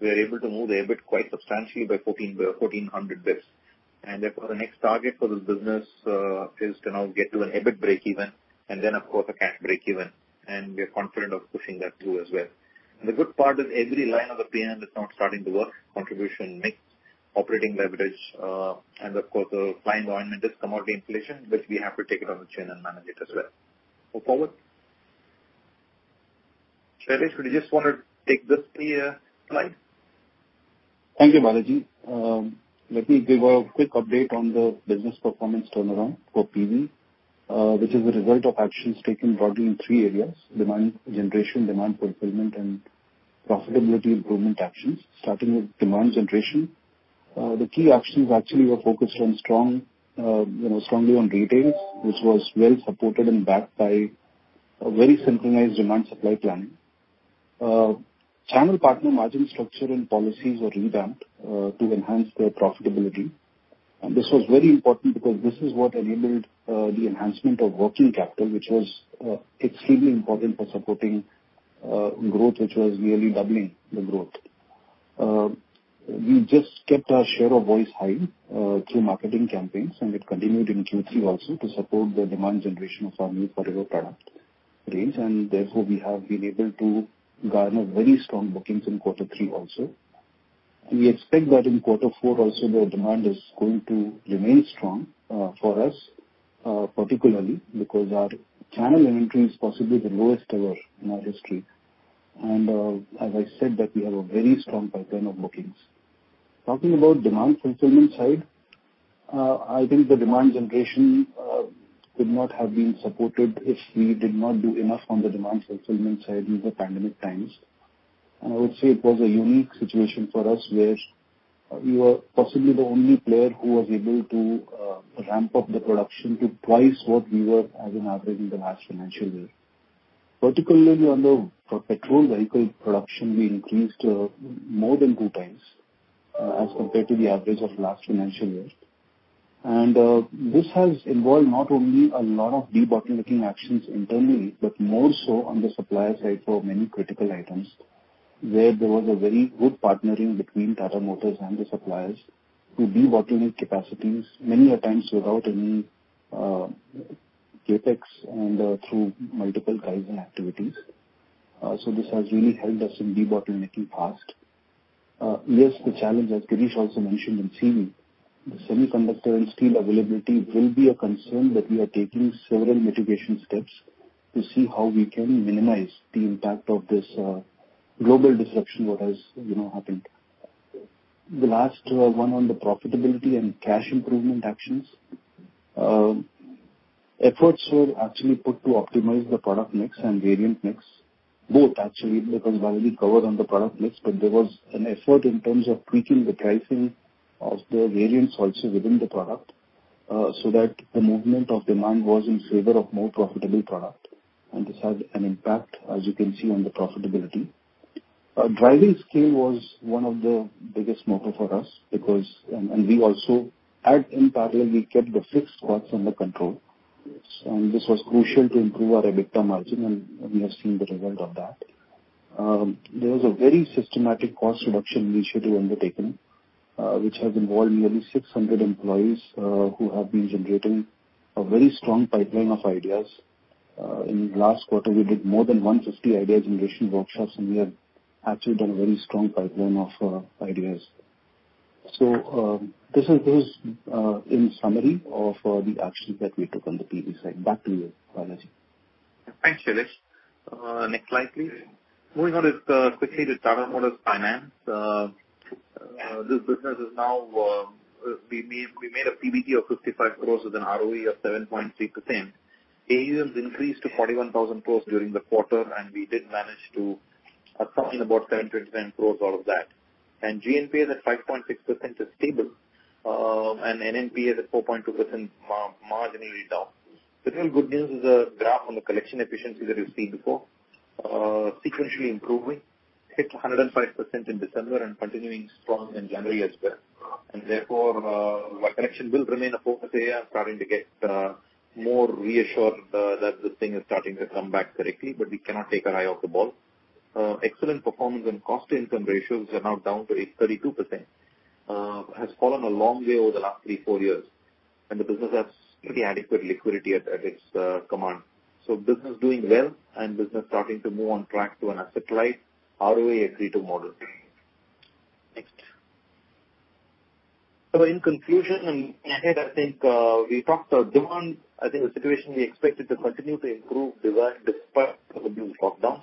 Speaker 3: we are able to move the EBIT quite substantially by 1,400 basis points. Therefore, the next target for this business is to now get to an EBIT breakeven and then, of course, a cash breakeven, and we are confident of pushing that through as well. The good part is every line of the P&L is now starting to work, contribution mix, operating leverage, and of course, the fine line is commodity inflation, which we have to take it on the chin and manage it as well. Go forward. Shailesh, would you just want to take this three slides?
Speaker 6: Thank you, Balaji. Let me give a quick update on the business performance turnaround for PV, which is the result of actions taken broadly in three areas: demand generation, demand fulfillment, and profitability improvement actions. Starting with demand generation. The key actions actually were focused strongly on retails, which was well supported and backed by a very synchronized demand supply planning. Channel partner margin structure and policies were revamped to enhance their profitability. This was very important because this is what enabled the enhancement of working capital, which was extremely important for supporting growth, which was nearly doubling the growth. We just kept our share of voice high through marketing campaigns, and it continued in Q3 also to support the demand generation of our New Forever product range. Therefore, we have been able to garner very strong bookings in quarter three also. We expect that in quarter 4 also, the demand is going to remain strong for us, particularly because our channel inventory is possibly the lowest ever in our history. As I said that we have a very strong pipeline of bookings. Talking about demand fulfillment side, I think the demand generation could not have been supported if we did not do enough on the demand fulfillment side in the pandemic times. I would say it was a unique situation for us where we were possibly the only player who was able to ramp up the production to twice what we were as an average in the last financial year. Particularly under petrol vehicle production, we increased more than two times as compared to the average of last financial year. This has involved not only a lot of debottlenecking actions internally, but more so on the supplier side for many critical items, where there was a very good partnering between Tata Motors and the suppliers to debottleneck capacities many a times without any CapEx and through multiple kinds of activities. This has really helped us in debottlenecking past. Yes, the challenge, as Girish also mentioned in CV, the semiconductor and steel availability will be a concern, but we are taking several mitigation steps to see how we can minimize the impact of this global disruption, what has happened. The last one on the profitability and cash improvement actions. Efforts were actually put to optimize the product mix and variant mix, both actually, because Balaji covered on the product mix, but there was an effort in terms of tweaking the pricing of the variants also within the product, so that the movement of demand was in favor of more profitable product. This had an impact, as you can see on the profitability. Driving scale was one of the biggest motive for us because in parallel, we kept the fixed costs under control. This was crucial to improve our EBITDA margin, and we have seen the result of that. There was a very systematic cost reduction initiative undertaken, which has involved nearly 600 employees who have been generating a very strong pipeline of ideas. In last quarter, we did more than 150 idea generation workshops, and we have actually done a very strong pipeline of ideas. This is in summary of the actions that we took on the PV side. Back to you, Balaji.
Speaker 3: Thanks, Shailesh. Next slide, please. Moving on is quickly the Tata Motors Finance. This business is now, we made a PBT of 55 crore with an ROE of 7.3%. AUMs increased to 41,000 crore during the quarter, and we did manage to assign about 720 crore out of that. GNPA is at 5.6% is stable, and NNPA is at 4.2% marginally down. The real good news is a graph on the collection efficiency that you've seen before. Sequentially improving, hit 105% in December and continuing strong in January as well. Therefore, while collection will remain a focus area, starting to get more reassured that this thing is starting to come back correctly, but we cannot take our eye off the ball. Excellent performance on cost-to-income ratios are now down to 32%, has fallen a long way over the last three, four years, and the business has pretty adequate liquidity at its command. Business doing well and business starting to move on track to an asset-light ROE accrete model. Next. In conclusion and ahead, I think we talked of demand. I think the situation we expected to continue to improve demand despite the new lockdowns.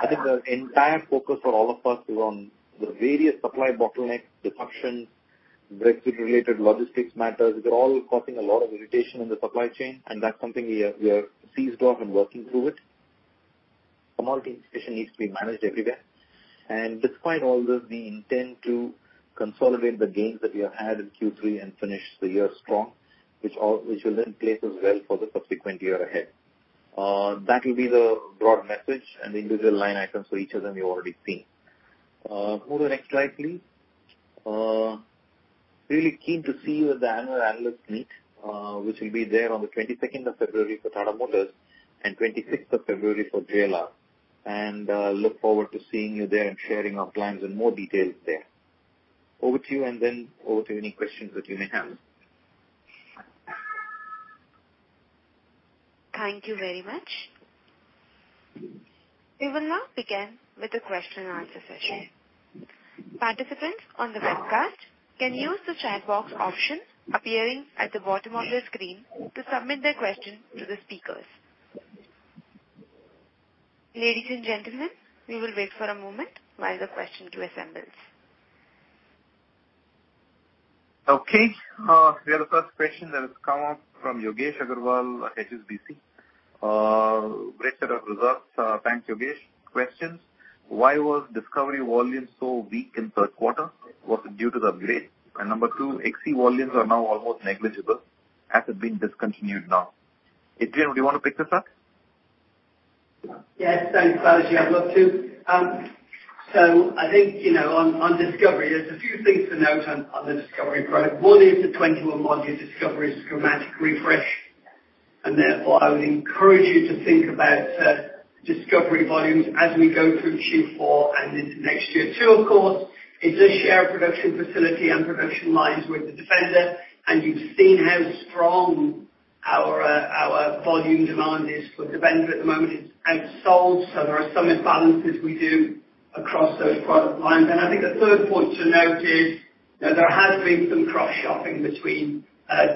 Speaker 3: I think the entire focus for all of us is on the various supply bottlenecks, the functions, Brexit related logistics matters. They're all causing a lot of irritation in the supply chain, and that's something we are seized of and working through it. Commodity inflation needs to be managed everywhere, and despite all this, we intend to consolidate the gains that we have had in Q3 and finish the year strong, which will then place us well for the subsequent year ahead. That will be the broad message and the individual line items for each of them you've already seen. Move to the next slide, please. Really keen to see you at the annual analyst meet, which will be there on the 22nd of February for Tata Motors and 26th of February for JLR. Look forward to seeing you there and sharing our plans in more details there. Over to you and then over to any questions that you may have.
Speaker 1: Thank you very much. We will now begin with the question and answer session. Participants on the webcast can use the chat box option appearing at the bottom of your screen to submit their question to the speakers. Ladies and gentlemen, we will wait for a moment while the question queue assembles.
Speaker 3: Okay. We have the first question that has come up from Yogesh Aggarwal at HSBC. Great set of results. Thanks, Yogesh. Questions. Why was Discovery volume so weak in third quarter? Was it due to the upgrade? Number 2, XE volumes are now almost negligible. Has it been discontinued now? Adrian, do you want to pick this up?
Speaker 4: Thanks, Balaji. I'd love to. I think, on Discovery, there's a few things to note on the Discovery product. One is the 2021 model year Discovery is a dramatic refresh, and therefore I would encourage you to think about Discovery volumes as we go through Q4 and into next year too, of course. It's a shared production facility and production lines with the Defender, and you've seen how strong our volume demand is for Defender at the moment. It's outsold, there are some imbalances we do across those product lines. I think the third point to note is that there has been some cross-shopping between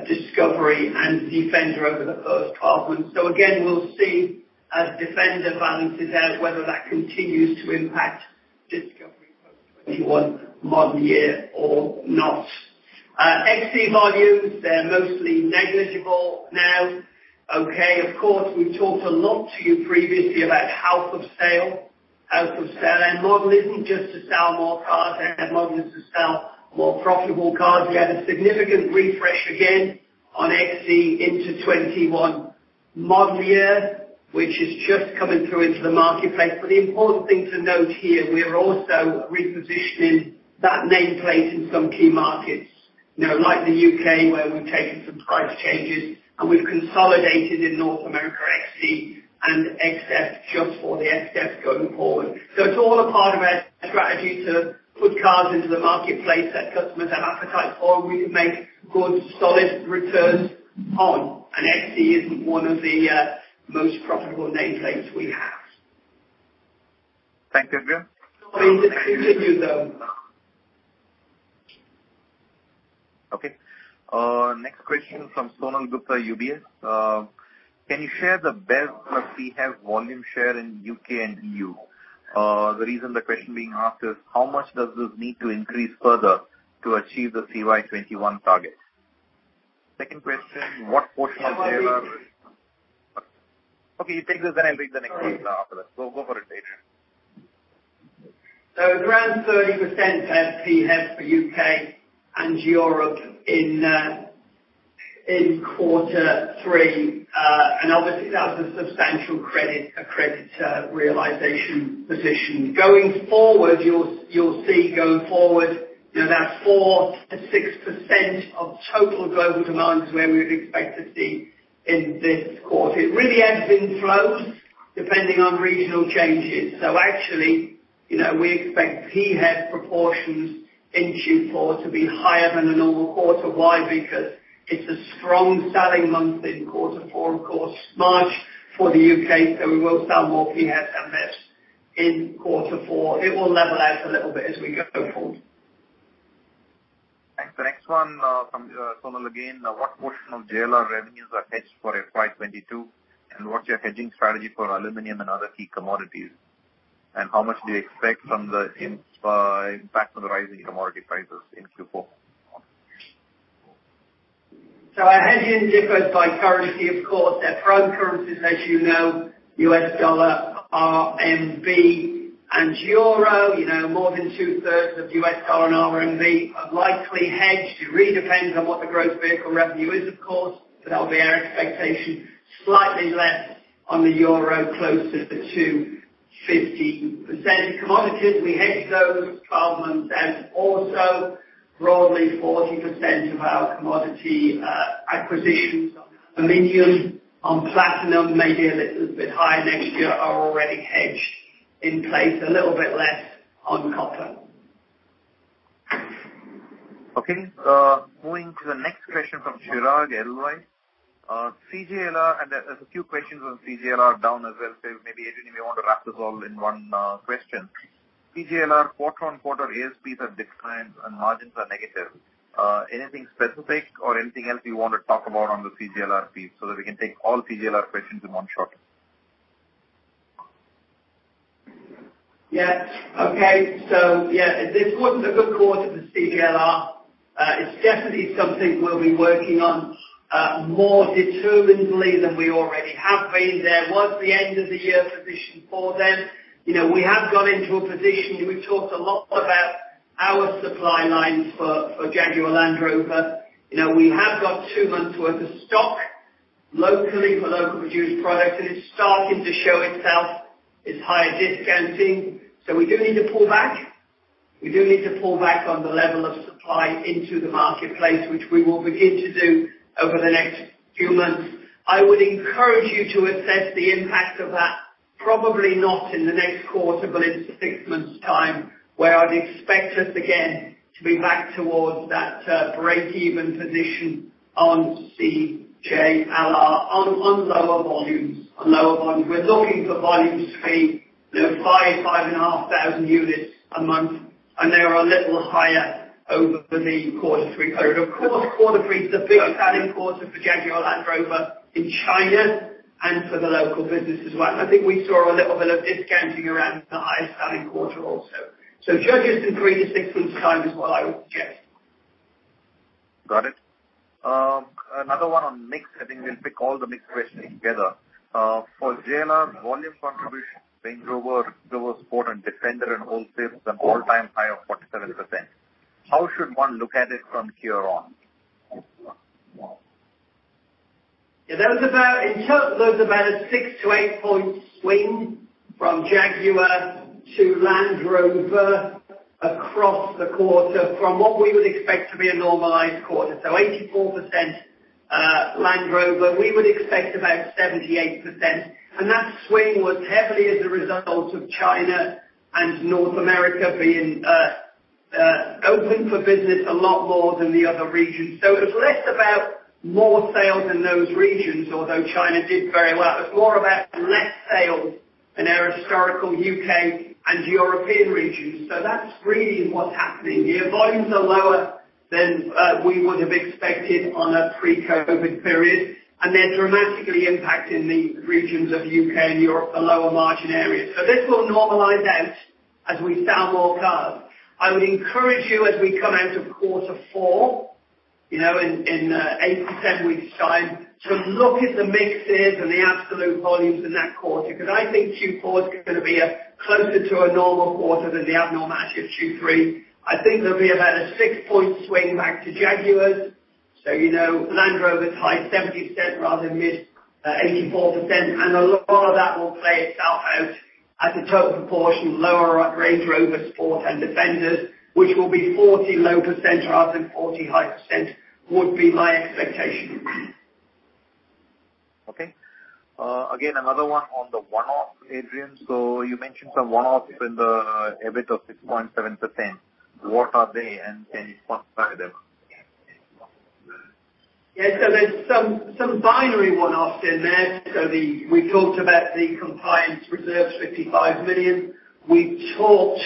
Speaker 4: Discovery and Defender over the first 12 months. Again, we'll see as Defender balances out, whether that continues to impact Discovery post 2021 model year or not. XE volumes, they're mostly negligible now. Okay. Of course, we've talked a lot to you previously about health of sale. House of sale end model isn't just to sell more cars, our end model is to sell more profitable cars. We had a significant refresh again on XE into 2021 model year, which is just coming through into the marketplace. The important thing to note here, we are also repositioning that nameplate in some key markets. Like the U.K., where we've taken some price changes and we've consolidated in North America, XE and XF just for the XFs going forward. It's all a part of our strategy to put cars into the marketplace that customers have appetite for and we can make good, solid returns on. XE isn't one of the most profitable nameplates we have.
Speaker 3: Thank you, Adrian. Okay. Next question from Sonal Gupta, UBS. Can you share the best PHEV volume share in U.K. and E.U.? The reason the question being asked is how much does this need to increase further to achieve the CY 2021 targets? Second question. Okay, you take this, I'll read the next one after that. Go for it, Adrian.
Speaker 4: Around 30% PHEV for U.K. and Europe in quarter three. Obviously, that was a substantial creditor realization position. You'll see going forward, that 4%-6% of total global demand is where we would expect to see in this quarter. It really ebbs and flows depending on regional changes. Actually, we expect PHEV proportions in Q4 to be higher than a normal quarter. Why? Because it's a strong selling month in quarter four. Of course, March for the U.K., so we will sell more PHEV than this in quarter four. It will level out a little bit as we go forward.
Speaker 3: Thanks. The next one from Sonal again. What portion of JLR revenues are hedged for FY 2022? What's your hedging strategy for aluminum and other key commodities? How much do you expect from the impact on the rising commodity prices in Q4?
Speaker 4: Our hedging differs by currency, of course. There are prime currencies, as you know, US dollar, RMB, and euro. More than two-thirds of US dollar and RMB are likely hedged. It really depends on what the gross vehicle revenue is, of course. That'll be our expectation. Slightly less on the euro, closer to 50%. Commodities, we hedge those 12 months out also, broadly 40% of our commodity acquisitions on aluminum, on platinum, maybe a little bit higher next year, are already hedged in place. A little bit less on copper.
Speaker 3: Moving to the next question from Chirag, Edelweiss. There's a few questions on CJLR down as well. Maybe, Adrian, you may want to wrap this all in one question. CJLR quarter on quarter ASPs are declined and margins are negative. Anything specific or anything else you want to talk about on the CJLR piece, so that we can take all CJLR questions in one shot?
Speaker 4: Yes. Okay. Yeah, this wasn't a good quarter for CJLR. It's definitely something we'll be working on more determinedly than we already have been. There was the end-of-the-year position for them. We have gone into a position, we've talked a lot about our supply lines for Jaguar Land Rover. We have got two months worth of stock locally for local produced products, and it's starting to show itself as higher discounting. We do need to pull back. We do need to pull back on the level of supply into the marketplace, which we will begin to do over the next few months. I would encourage you to assess the impact of that, probably not in the next quarter, but in six months time, where I'd expect us again to be back towards that breakeven position on CJLR, on lower volumes. We're looking for volume stream five, 5,500 units a month. They are a little higher over the quarter 3 period. Of course, quarter 3 is the biggest selling quarter for Jaguar Land Rover in China and for the local business as well. I think we saw a little bit of discounting around the highest selling quarter also. Judge us in three to six months time is what I would suggest.
Speaker 3: Got it. Another one on mix. I think we'll pick all the mix questions together. For JLR volume contribution, Range Rover, Range Rover Sport and Defender and wholesale is an all-time high of 47%. How should one look at it from here on?
Speaker 4: In total, there was about a six- to eight-point swing from Jaguar to Land Rover across the quarter from what we would expect to be a normalized quarter. 84% Land Rover, we would expect about 78%, and that swing was heavily as a result of China and North America being open for business a lot more than the other regions. It was less about more sales in those regions. Although China did very well, it was more about less sales in our historical U.K. and European regions. That's really what's happening here. Volumes are lower than we would have expected on a pre-COVID period, and they're dramatically impacting the regions of U.K. and Europe, the lower margin areas. This will normalize out as we sell more cars. I would encourage you, as we come out of quarter four, in 8-10 weeks time, to look at the mixes and the absolute volumes in that quarter, because I think Q4 is going to be closer to a normal quarter than the abnormality of Q3. I think there'll be about a six-point swing back to Jaguars. Land Rover is high 70% rather than mid 84%. A lot of that will play itself out at a total proportion, lower Range Rover Sport and Defenders, which will be 40 low percent rather than 40 high percent, would be my expectation.
Speaker 3: Okay. Again, another one on the one-off, Adrian. You mentioned some one-offs in the EBIT of 6.7%. What are they and can you quantify them?
Speaker 4: There's some binary one-offs in there. We talked about the compliance reserves, 55 million. We talked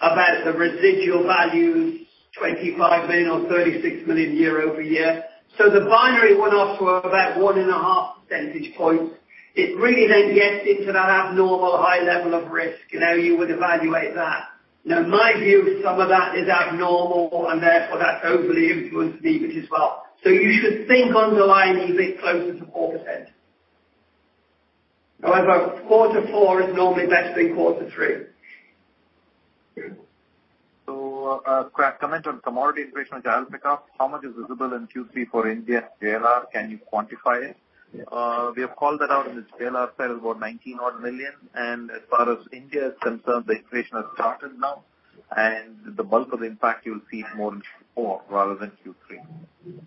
Speaker 4: about the residual values, 25 million or 36 million year-over-year. The binary one-offs were about 1.5 percentage points. It really gets into that abnormal high level of risk, you would evaluate that. My view is some of that is abnormal and therefore that overly influenced the image as well. You should think underlying EBIT closer to 4%. However, quarter four is normally less than quarter three.
Speaker 3: A comment on commodity inflation, which I'll pick up. How much is visible in Q3 for India JLR? Can you quantify it?
Speaker 4: Yes.
Speaker 3: We have called that out in the JLR side about 19-odd million. As far as India is concerned, the inflation has started now and the bulk of impact you'll see is more in Q4 rather than Q3.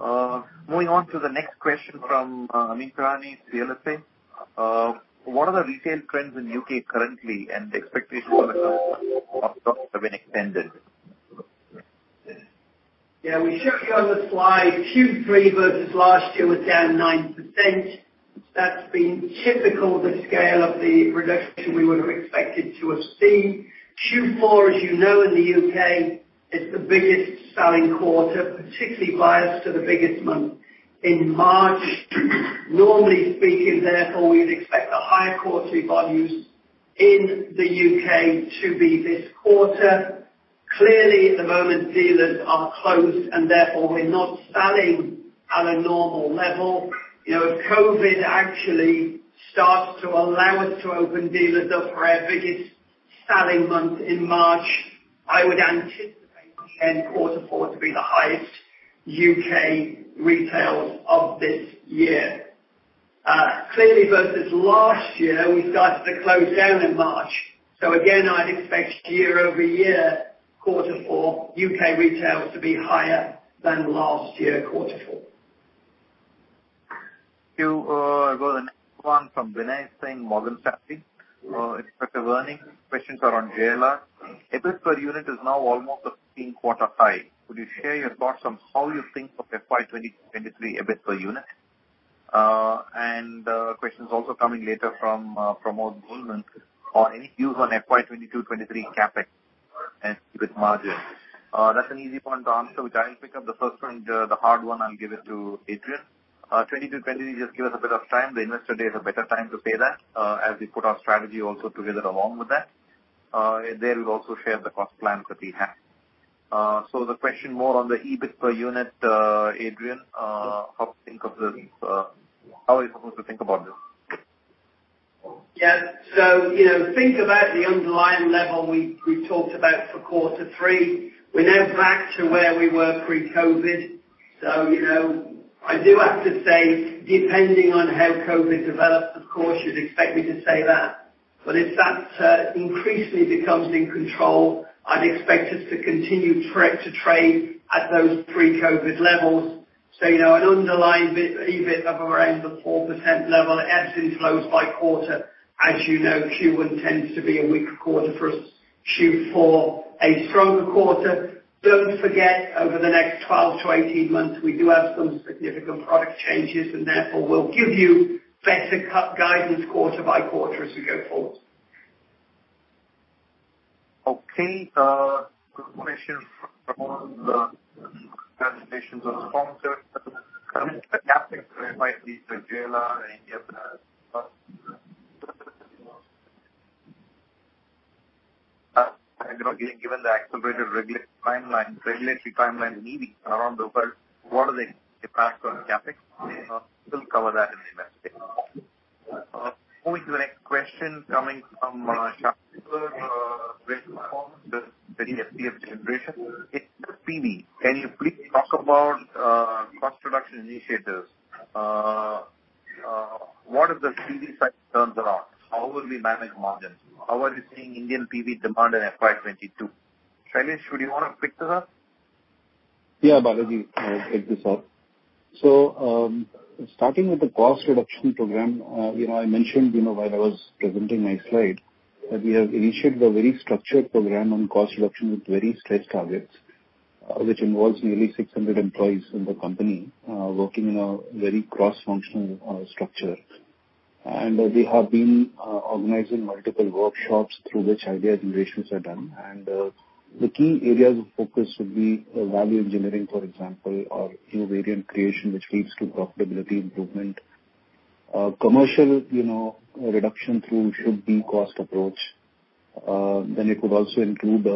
Speaker 3: Moving on to the next question from Amyn Pirani, CLSA. What are the retail trends in U.K. currently and the expectation have been extended?
Speaker 4: We showed you on the slide. Q3 versus last year was down 9%. That's been typical the scale of the reduction we would have expected to have seen. Q4, as you know, in the U.K. is the biggest selling quarter, particularly biased to the biggest month in March. Normally speaking, therefore, we'd expect the higher quarterly volumes in the U.K. to be this quarter. Clearly, at the moment, dealers are closed and therefore we're not selling at a normal level. If COVID actually starts to allow us to open dealers up for our biggest selling month in March, I would anticipate then quarter 4 to be the highest U.K. retail of this year. Clearly versus last year, we started to close down in March. Again, I'd expect year-over-year, quarter 4 U.K. retail to be higher than last year, quarter 4.
Speaker 3: Thank you. I go to the next one from Binay Singh, Morgan Stanley. Expect a warning. Questions are on JLR. EBIT per unit is now almost a 15-quarter high. Could you share your thoughts on how you think of FY 2023 EBIT per unit? The question is also coming later from Pramod, Goldman, on any views on FY 2022, FY 2023 CapEx and with margins. That's an easy one to answer, which I'll pick up the first one, the hard one, I'll give it to Adrian. FY 2022, FY 2023, just give us a bit of time. The Investor Day is a better time to say that, as we put our strategy also together along with that. There we'll also share the cost plans that we have. The question more on the EBIT per unit, Adrian, how are we supposed to think about this?
Speaker 4: Think about the underlying level we talked about for quarter three. We're now back to where we were pre-COVID. I do have to say, depending on how COVID develops, of course, you'd expect me to say that. If that increasingly becomes in control, I'd expect us to continue to trade at those pre-COVID levels. An underlying EBIT of around the 4% level, EPS improves by quarter. As you know, Q1 tends to be a weaker quarter for us. Q4, a stronger quarter. Don't forget, over the next 12 to 18 months, we do have some significant product changes, and therefore we'll give you better guidance quarter by quarter as we go forward.
Speaker 3: Okay. The question from the CapEx might be for JLR and India. Given the accelerated regulatory timeline meeting around the world, what are they passed on CapEx? We'll cover that in the investment. Moving to the next question coming from can you please talk about cost reduction initiatives? What is the PV side turns around? How will we manage margins? How are you seeing Indian PV demand in FY 2022? Shailesh, would you want to pick this up?
Speaker 6: Yeah, Balaji. I'll take this up. Starting with the cost reduction program, I mentioned while I was presenting my slide, that we have initiated a very structured program on cost reduction with very stretched targets, which involves nearly 600 employees in the company, working in a very cross-functional structure. We have been organizing multiple workshops through which idea generations are done. The key areas of focus would be value engineering, for example, or new variant creation, which leads to profitability improvement. Commercial reduction through should-be cost approach. It could also include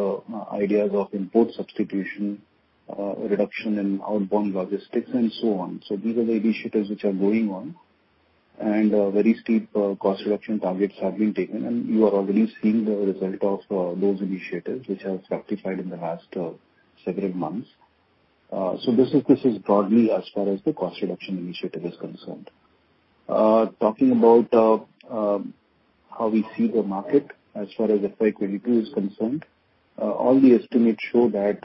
Speaker 6: ideas of import substitution, reduction in outbound logistics, and so on. These are the initiatives which are going on, and very steep cost reduction targets have been taken, and you are already seeing the result of those initiatives which have specified in the last several months. This is broadly as far as the cost reduction initiative is concerned. Talking about how we see the market as far as FY 2022 is concerned, all the estimates show that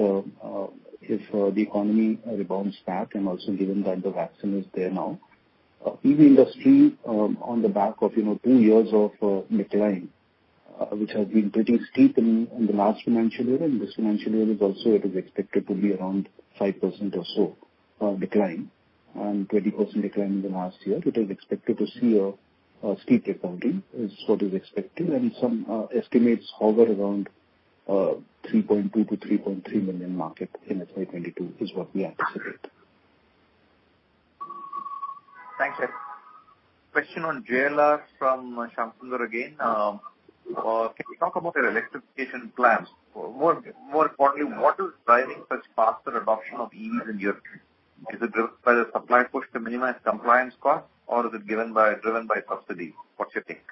Speaker 6: if the economy rebounds back and also given that the vaccine is there now, PV industry on the back of two years of decline, which has been pretty steep in the last financial year and this financial year is also it is expected to be around 5% or so of decline and 20% decline in the last year. It is expected to see a steep recovery, is what is expected, and some estimates hover around 3.2 million-3.3 million market in FY 2022 is what we anticipate.
Speaker 3: Thanks. Question on JLR from Shyam Sunder again. Can you talk about your electrification plans? More importantly, what is driving such faster adoption of EVs in Europe? Is it driven by the supply push to minimize compliance costs, or is it driven by subsidy? What's your take?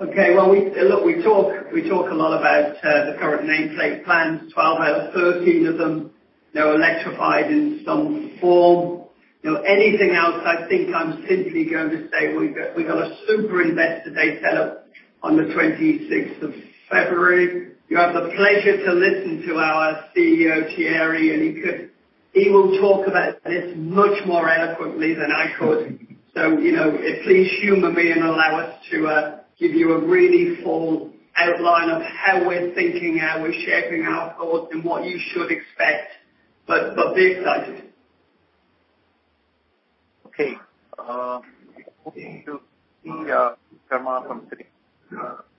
Speaker 4: Okay, well, look, we talk a lot about the current nameplate plans, 12 out of 13 of them, they're electrified in some form. Anything else, I think I'm simply going to say we've got a super Investor Day set up on the 26th of February. You have the pleasure to listen to our CEO, Thierry, he will talk about this much more eloquently than I could. Please humor me and allow us to give you a really full outline of how we're thinking, how we're shaping our thoughts, and what you should expect. Be excited.
Speaker 3: Okay. Moving to the.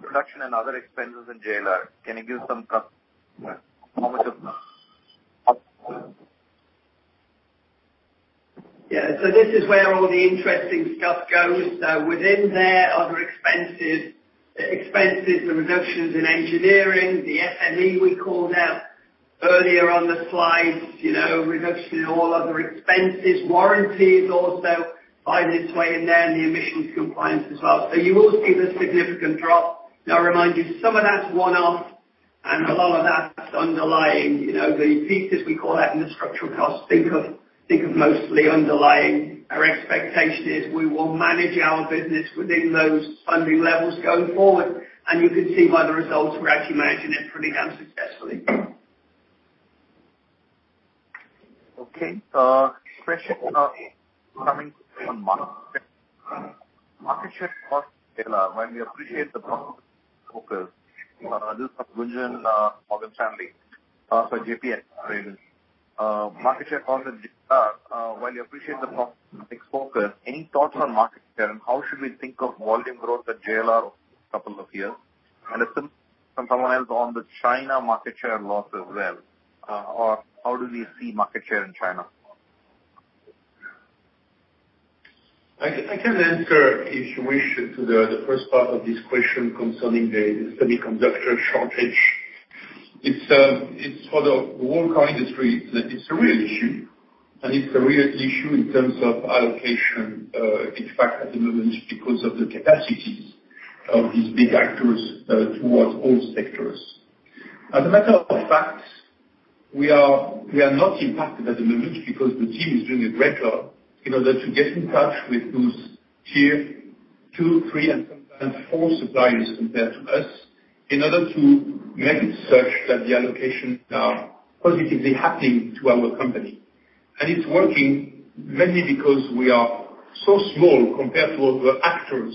Speaker 3: Production and other expenses in JLR. Can you give some how much of.
Speaker 4: Yeah. This is where all the interesting stuff goes. Within there, other expenses, the reductions in engineering, the SME we called out earlier on the slides, reduction in all other expenses. Warranty is also find its way in there, and the emissions compliance as well. You will see the significant drop. I remind you, some of that's one-off and a lot of that's underlying. The thesis we call that in the structural costs. Think of mostly underlying. Our expectation is we will manage our business within those funding levels going forward, and you can see by the results, we're actually managing it pretty damn successfully.
Speaker 3: Okay. Question coming from Market share cost JLR. While we appreciate the focus. This is from Gunjan, Morgan Stanley. Also market share cost JLR. While you appreciate the focus, any thoughts on market share and how should we think of volume growth at JLR over the next couple of years? Some comments on the China market share loss as well, or how do we see market share in China?
Speaker 7: I can answer, if you wish, to the first part of this question concerning the semiconductor shortage. It's for the whole car industry, that it's a real issue, and it's a real issue in terms of allocation impact at the moment because of the capacities of these big actors towards all sectors. As a matter of fact, we are not impacted at the moment because the team is doing a great job in order to get in touch with those Tier 2, 3, and 4 suppliers compared to us in order to make it such that the allocations are positively happening to our company. And it's working mainly because we are so small compared to other actors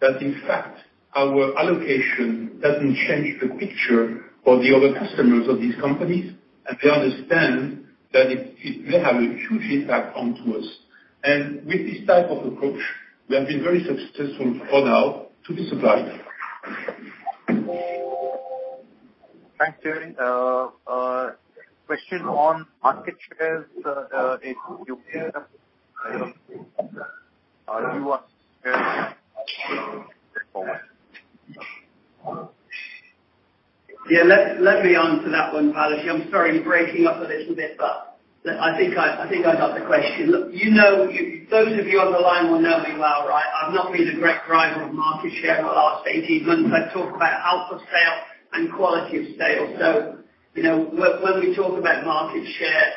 Speaker 7: that in fact, our allocation doesn't change the picture for the other customers of these companies, and they understand that it will have a huge impact on to us. With this type of approach, we have been very successful for now to be supplied.
Speaker 3: Thanks, Thierry. Question on market shares in.
Speaker 4: Yeah, let me answer that one, Balaji. I'm sorry, breaking up a little bit, but I think I got the question. Those of you on the line will know me well, right? I've not been a great driver of market share in the last 18 months. I talk about outs of sale and quality of sale. When we talk about market share,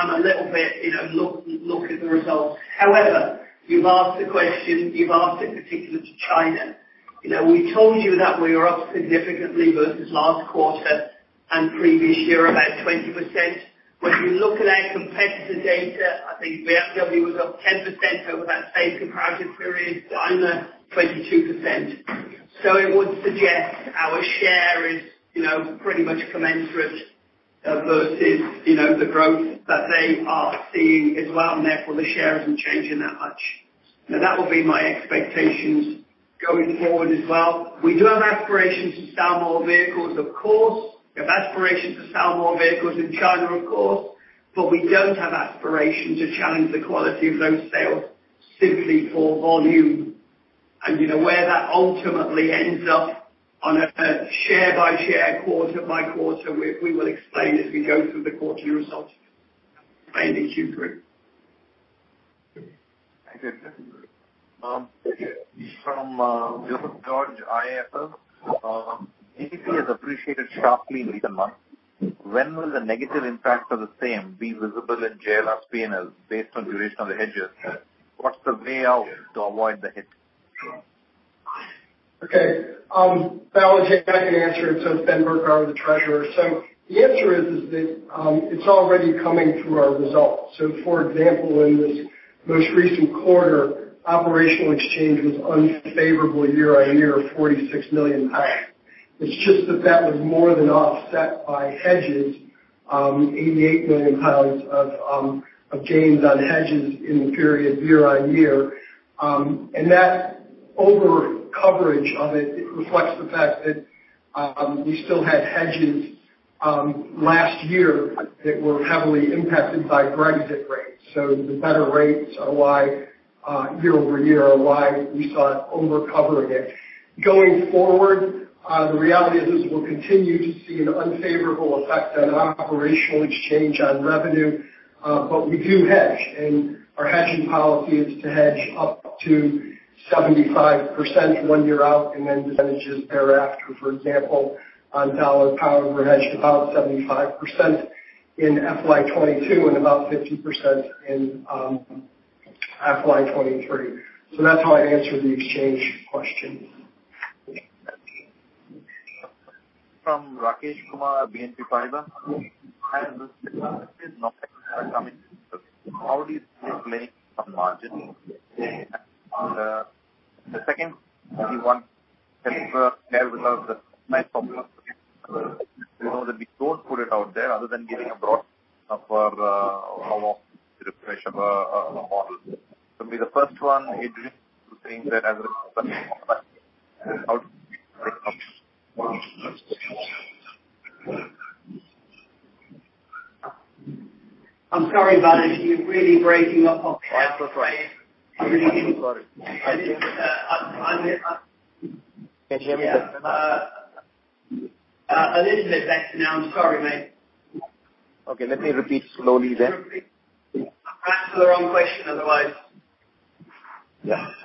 Speaker 4: I'm a little bit look at the results. However, you've asked the question, you've asked in particular to China. We told you that we were up significantly versus last quarter and previous year, about 20%. When you look at our competitor data, I think BMW was up 10% over that same comparative period, Daimler 22%. It would suggest our share is pretty much commensurate versus the growth that they are seeing as well, and therefore, the share isn't changing that much. That would be my expectations going forward as well. We do have aspirations to sell more vehicles, of course. We have aspirations to sell more vehicles in China, of course. We don't have aspiration to challenge the quality of those sales simply for volume. Where that ultimately ends up on a share-by-share, quarter-by-quarter, we will explain as we go through the quarterly results in Q3.
Speaker 3: Thank you. From Joseph George, IIFL. GBP has appreciated sharply in recent months. When will the negative impact of the same be visible in JLR's P&L based on duration of the hedges? What's the way out to avoid the hit?
Speaker 8: Okay. Balaji, I can answer it. It's Ben Birgbauer, the Treasurer. The answer is that it's already coming through our results. For example, in this most recent quarter, operational exchange was unfavorable year-on-year of 46 million pounds. It's just that that was more than offset by hedges, 88 million pounds of gains on hedges in the period year-on-year. And that over coverage of it reflects the fact that we still had hedges last year that were heavily impacted by Brexit rates. The better rates are why year-over-year are why we saw it over covering it. Going forward, the reality is we'll continue to see an unfavorable effect on operational exchange on revenue. We do hedge, and our hedging policy is to hedge up to 75% one year out and then percentages thereafter. For example, on dollar power, we're hedged about 75% in FY 2022 and about 50% in FY 2023. That's how I answer the exchange question.
Speaker 3: From Rakesh Kumar, BNP Paribas. How do you see it playing on margin? The second one we don't put it out there other than giving a broad of our refresh of our model.
Speaker 4: I'm sorry, Balaji, you're really breaking up on me.
Speaker 3: That's all right. I'm sorry.
Speaker 4: I really didn't-
Speaker 3: Can you hear me better now?
Speaker 4: Yeah. A little bit better now. I'm sorry, mate.
Speaker 3: Okay, let me repeat slowly then.
Speaker 4: Ask the wrong question otherwise.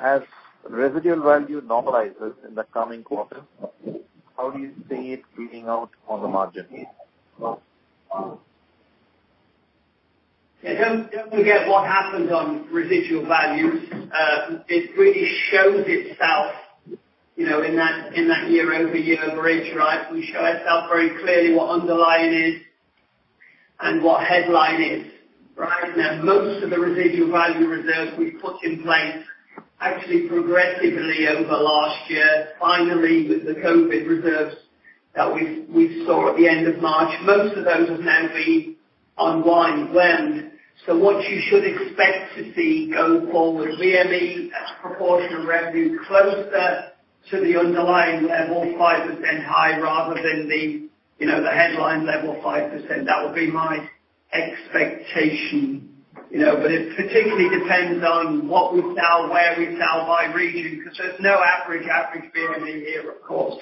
Speaker 3: As residual value normalizes in the coming quarters, how do you see it bleeding out on the margin?
Speaker 4: Don't forget what happened on residual values. It really shows itself in that year-over-year bridge, right? We show ourselves very clearly what underlying is and what headline is. Most of the residual value reserves we put in place actually progressively over last year, finally, with the COVID reserves that we saw at the end of March. Most of those have now been unwound. What you should expect to see go forward, VME as a proportion of revenue closer to the underlying level, 5% high rather than the headline level 5%. That would be my expectation. It particularly depends on where we sell by region, because there's no average VME here, of course.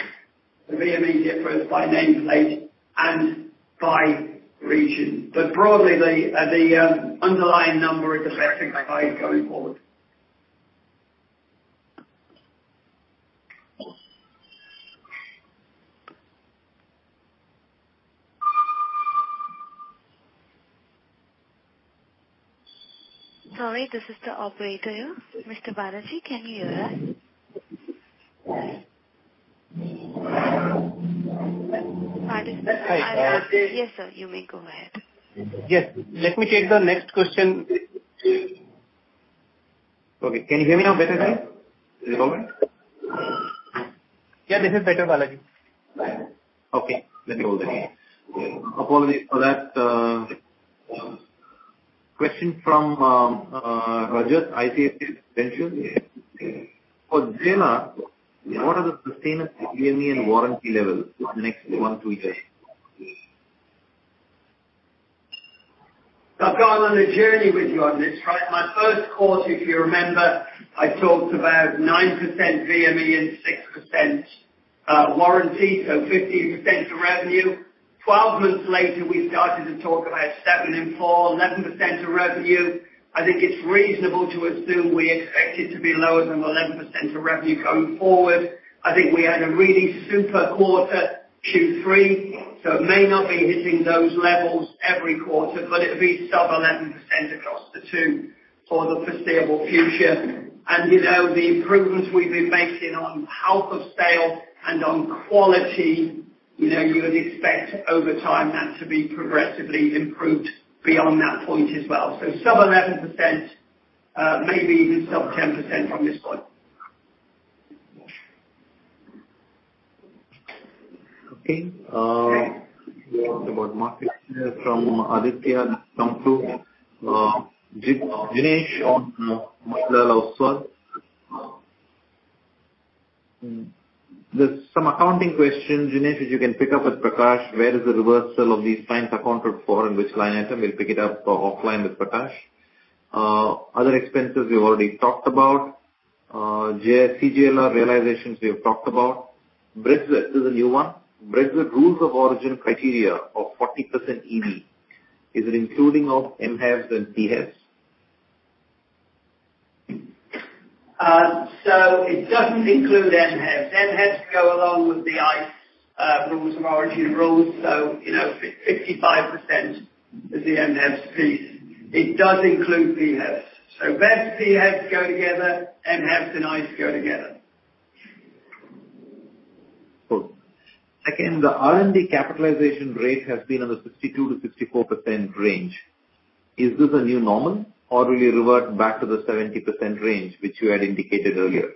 Speaker 4: The VME differs by nameplate and by region. Broadly, the underlying number is effectively high going forward.
Speaker 1: Sorry, this is the operator here. Mr. Balaji, can you hear us?
Speaker 3: Hi.
Speaker 1: Yes, sir. You may go ahead.
Speaker 3: Yes. Let me take the next question. Okay. Can you hear me now better, sir? Is it better?
Speaker 4: Yeah, this is better, Balaji.
Speaker 3: Okay. Let me go then. Apologies for that. Question from Rajat, ICICI Prudential. For JLR, what are the sustainable VME and warranty levels for the next one, two years?
Speaker 4: I feel I'm on a journey with you on this, right? My first quarter, if you remember, I talked about 9% VME and 6% warranty, so 15% of revenue. 12 months later, we started to talk about seven and four, 11% of revenue. I think it's reasonable to assume we expect it to be lower than the 11% of revenue going forward. I think we had a really super quarter, Q3. It may not be hitting those levels every quarter, but it'll be sub 11% across the two for the foreseeable future. The improvements we've been making on health of sale and on quality, you would expect over time that to be progressively improved beyond that point as well. Sub 11%, maybe even sub 10% from this point.
Speaker 3: Okay. Talk about market share from Aditya and Jinesh from Motilal Oswal. There's some accounting questions, Jinesh, which you can pick up with Prakash. Where is the reversal of these fines accounted for and which line item? We'll pick it up offline with Prakash. Other expenses, we've already talked about. CJLR realizations, we have talked about. Brexit, this is a new one. Brexit rules of origin criteria of 40% EV. Is it including of MHEVs and PHEVs?
Speaker 4: It doesn't include MHEVs. MHEVs go along with the ICE rules of origin. 55% is the MHEVs piece. It does include PHEVs. BEVs-PHEVs go together, MHEVs and ICE go together.
Speaker 3: Cool. Again, the R&D capitalization rate has been on the 62%-64% range. Is this a new normal or will you revert back to the 70% range, which you had indicated earlier?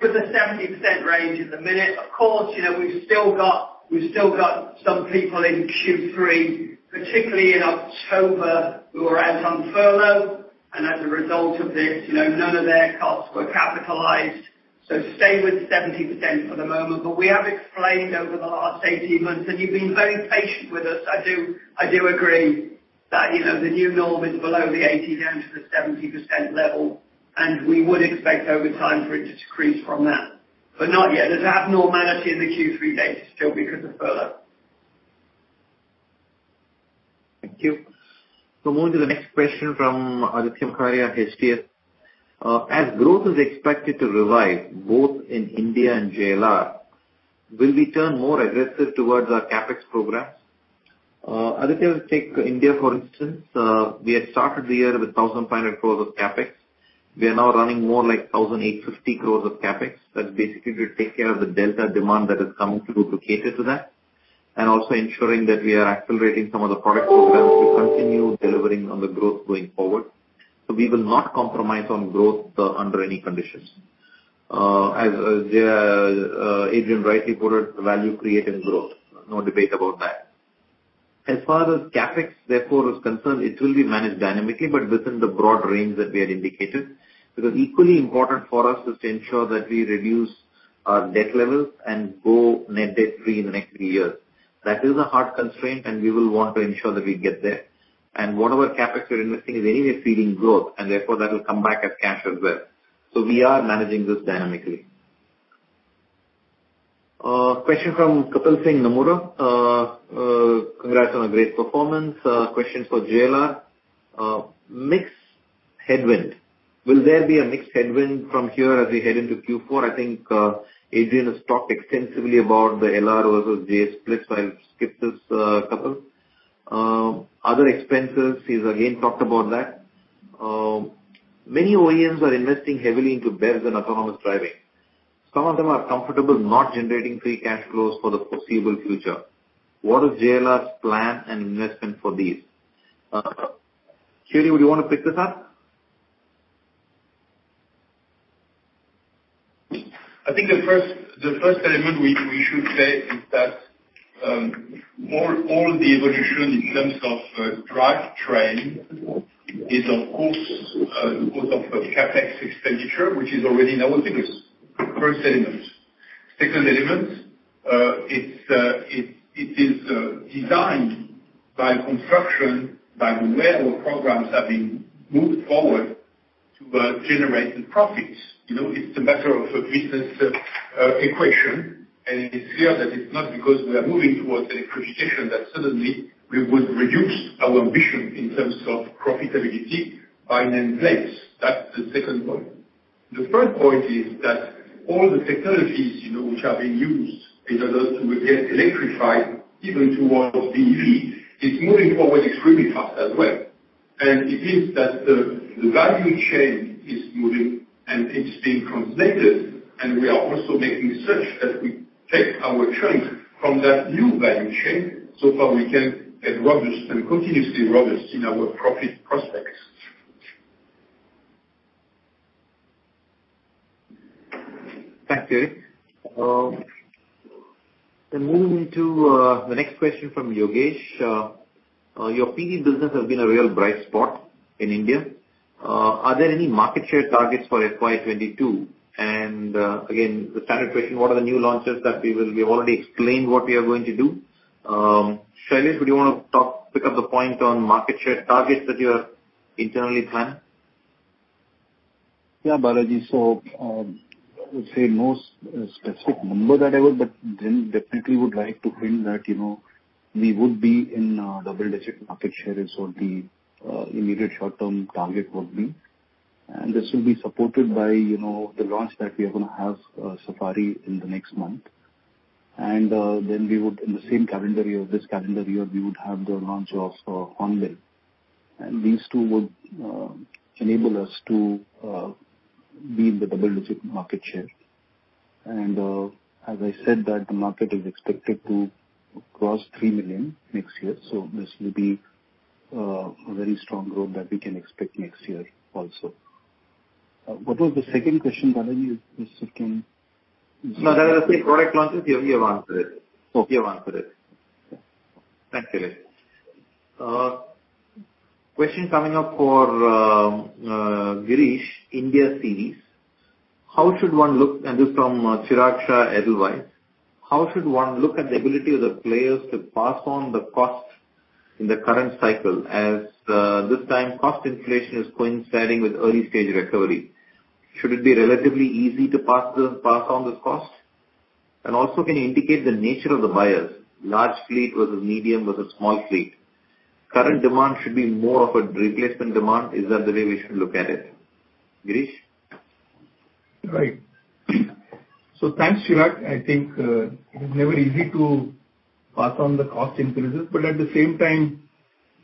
Speaker 4: With the 70% range at the minute. Of course, we've still got some people in Q3, particularly in October, who are out on furlough, and as a result of this, none of their costs were capitalized. Stay with 70% for the moment. We have explained over the last 18 months, and you've been very patient with us, I do agree that the new norm is below the 80%, down to the 70% level, and we would expect over time for it to decrease from that. Not yet. There's an abnormality in the Q3 data still because of furlough.
Speaker 3: Thank you. Moving to the next question from Aditya Makharia, HDFC. As growth is expected to revive both in India and JLR, will we turn more aggressive towards our CapEx programs? Aditya, take India, for instance. We had started the year with 1,500 crore of CapEx. We are now running more like 1,850 crore of CapEx. That basically will take care of the delta demand that is coming through to cater to that, and also ensuring that we are accelerating some of the product programs to continue delivering on the growth going forward. We will not compromise on growth under any conditions. As Adrian rightly put it, value creating growth. No debate about that. As far as CapEx, therefore, is concerned, it will be managed dynamically, but within the broad range that we had indicated. Because equally important for us is to ensure that we reduce our debt levels and go net debt-free in the next three years. That is a hard constraint, and we will want to ensure that we get there. Whatever CapEx we are investing is anyway feeding growth, and therefore that will come back as cash as well. We are managing this dynamically. A question from Kapil Singh, Nomura. Congrats on a great performance. A question for JLR. Mix headwind. Will there be a mix headwind from here as we head into Q4? I think Adrian has talked extensively about the LR versus JSplits, so I'll skip this, Kapil. Other expenses, he's again talked about that. Many OEMs are investing heavily into BEVs and autonomous driving. Some of them are comfortable not generating free cash flows for the foreseeable future. What is JLR's plan and investment for these? Thierry, would you want to pick this up?
Speaker 7: I think the first element we should say is that all the evolution in terms of drivetrain is, of course, a cost of CapEx expenditure, which is already known. I think it's first element. Second element, it is designed by construction, by the way our programs have been moved forward to generating profits. It's a matter of a business equation, and it's clear that it's not because we are moving towards electrification, that suddenly we would reduce our ambition in terms of profitability by n places. That's the second point. The third point is that all the technologies which are being used in order to get electrified, even towards BEV, it's moving forward extremely fast as well. It is that the value chain is moving, and it's being translated, and we are also making sure that we take our chunk from that new value chain so far we can continuously robust in our profit prospects.
Speaker 3: Thanks, Thierry. Moving into the next question from Yogesh. Your PV business has been a real bright spot in India. Are there any market share targets for FY 2022? Again, the standard question, what are the new launches? We've already explained what we are going to do. Shailesh, would you want to pick up the point on market share targets that you have internally planned?
Speaker 6: Balaji. I would say no specific number that I would, definitely would like to hint that we would be in double-digit market share is what the immediate short-term target would be. This will be supported by the launch that we are going to have, Safari, in the next month. In the same calendar year, this calendar year, we would have the launch of Hornbill. These two would enable us to be in the double-digit market share. As I said that the market is expected to cross 3 million next year, this will be a very strong growth that we can expect next year also. What was the second question, Balaji? If you can-
Speaker 3: No, that was the product launches. You have answered it.
Speaker 6: Okay.
Speaker 3: You have answered it. Thanks, Shailesh. Question coming up for Girish, India CVs. This from Chirag Shah, Edelweiss. How should one look at the ability of the players to pass on the cost in the current cycle, as this time cost inflation is coinciding with early-stage recovery? Should it be relatively easy to pass on this cost? Also, can you indicate the nature of the buyers, large fleet versus medium versus small fleet? Current demand should be more of a replacement demand. Is that the way we should look at it? Girish?
Speaker 5: Thanks, Chirag. I think it is never easy to pass on the cost increases, but at the same time,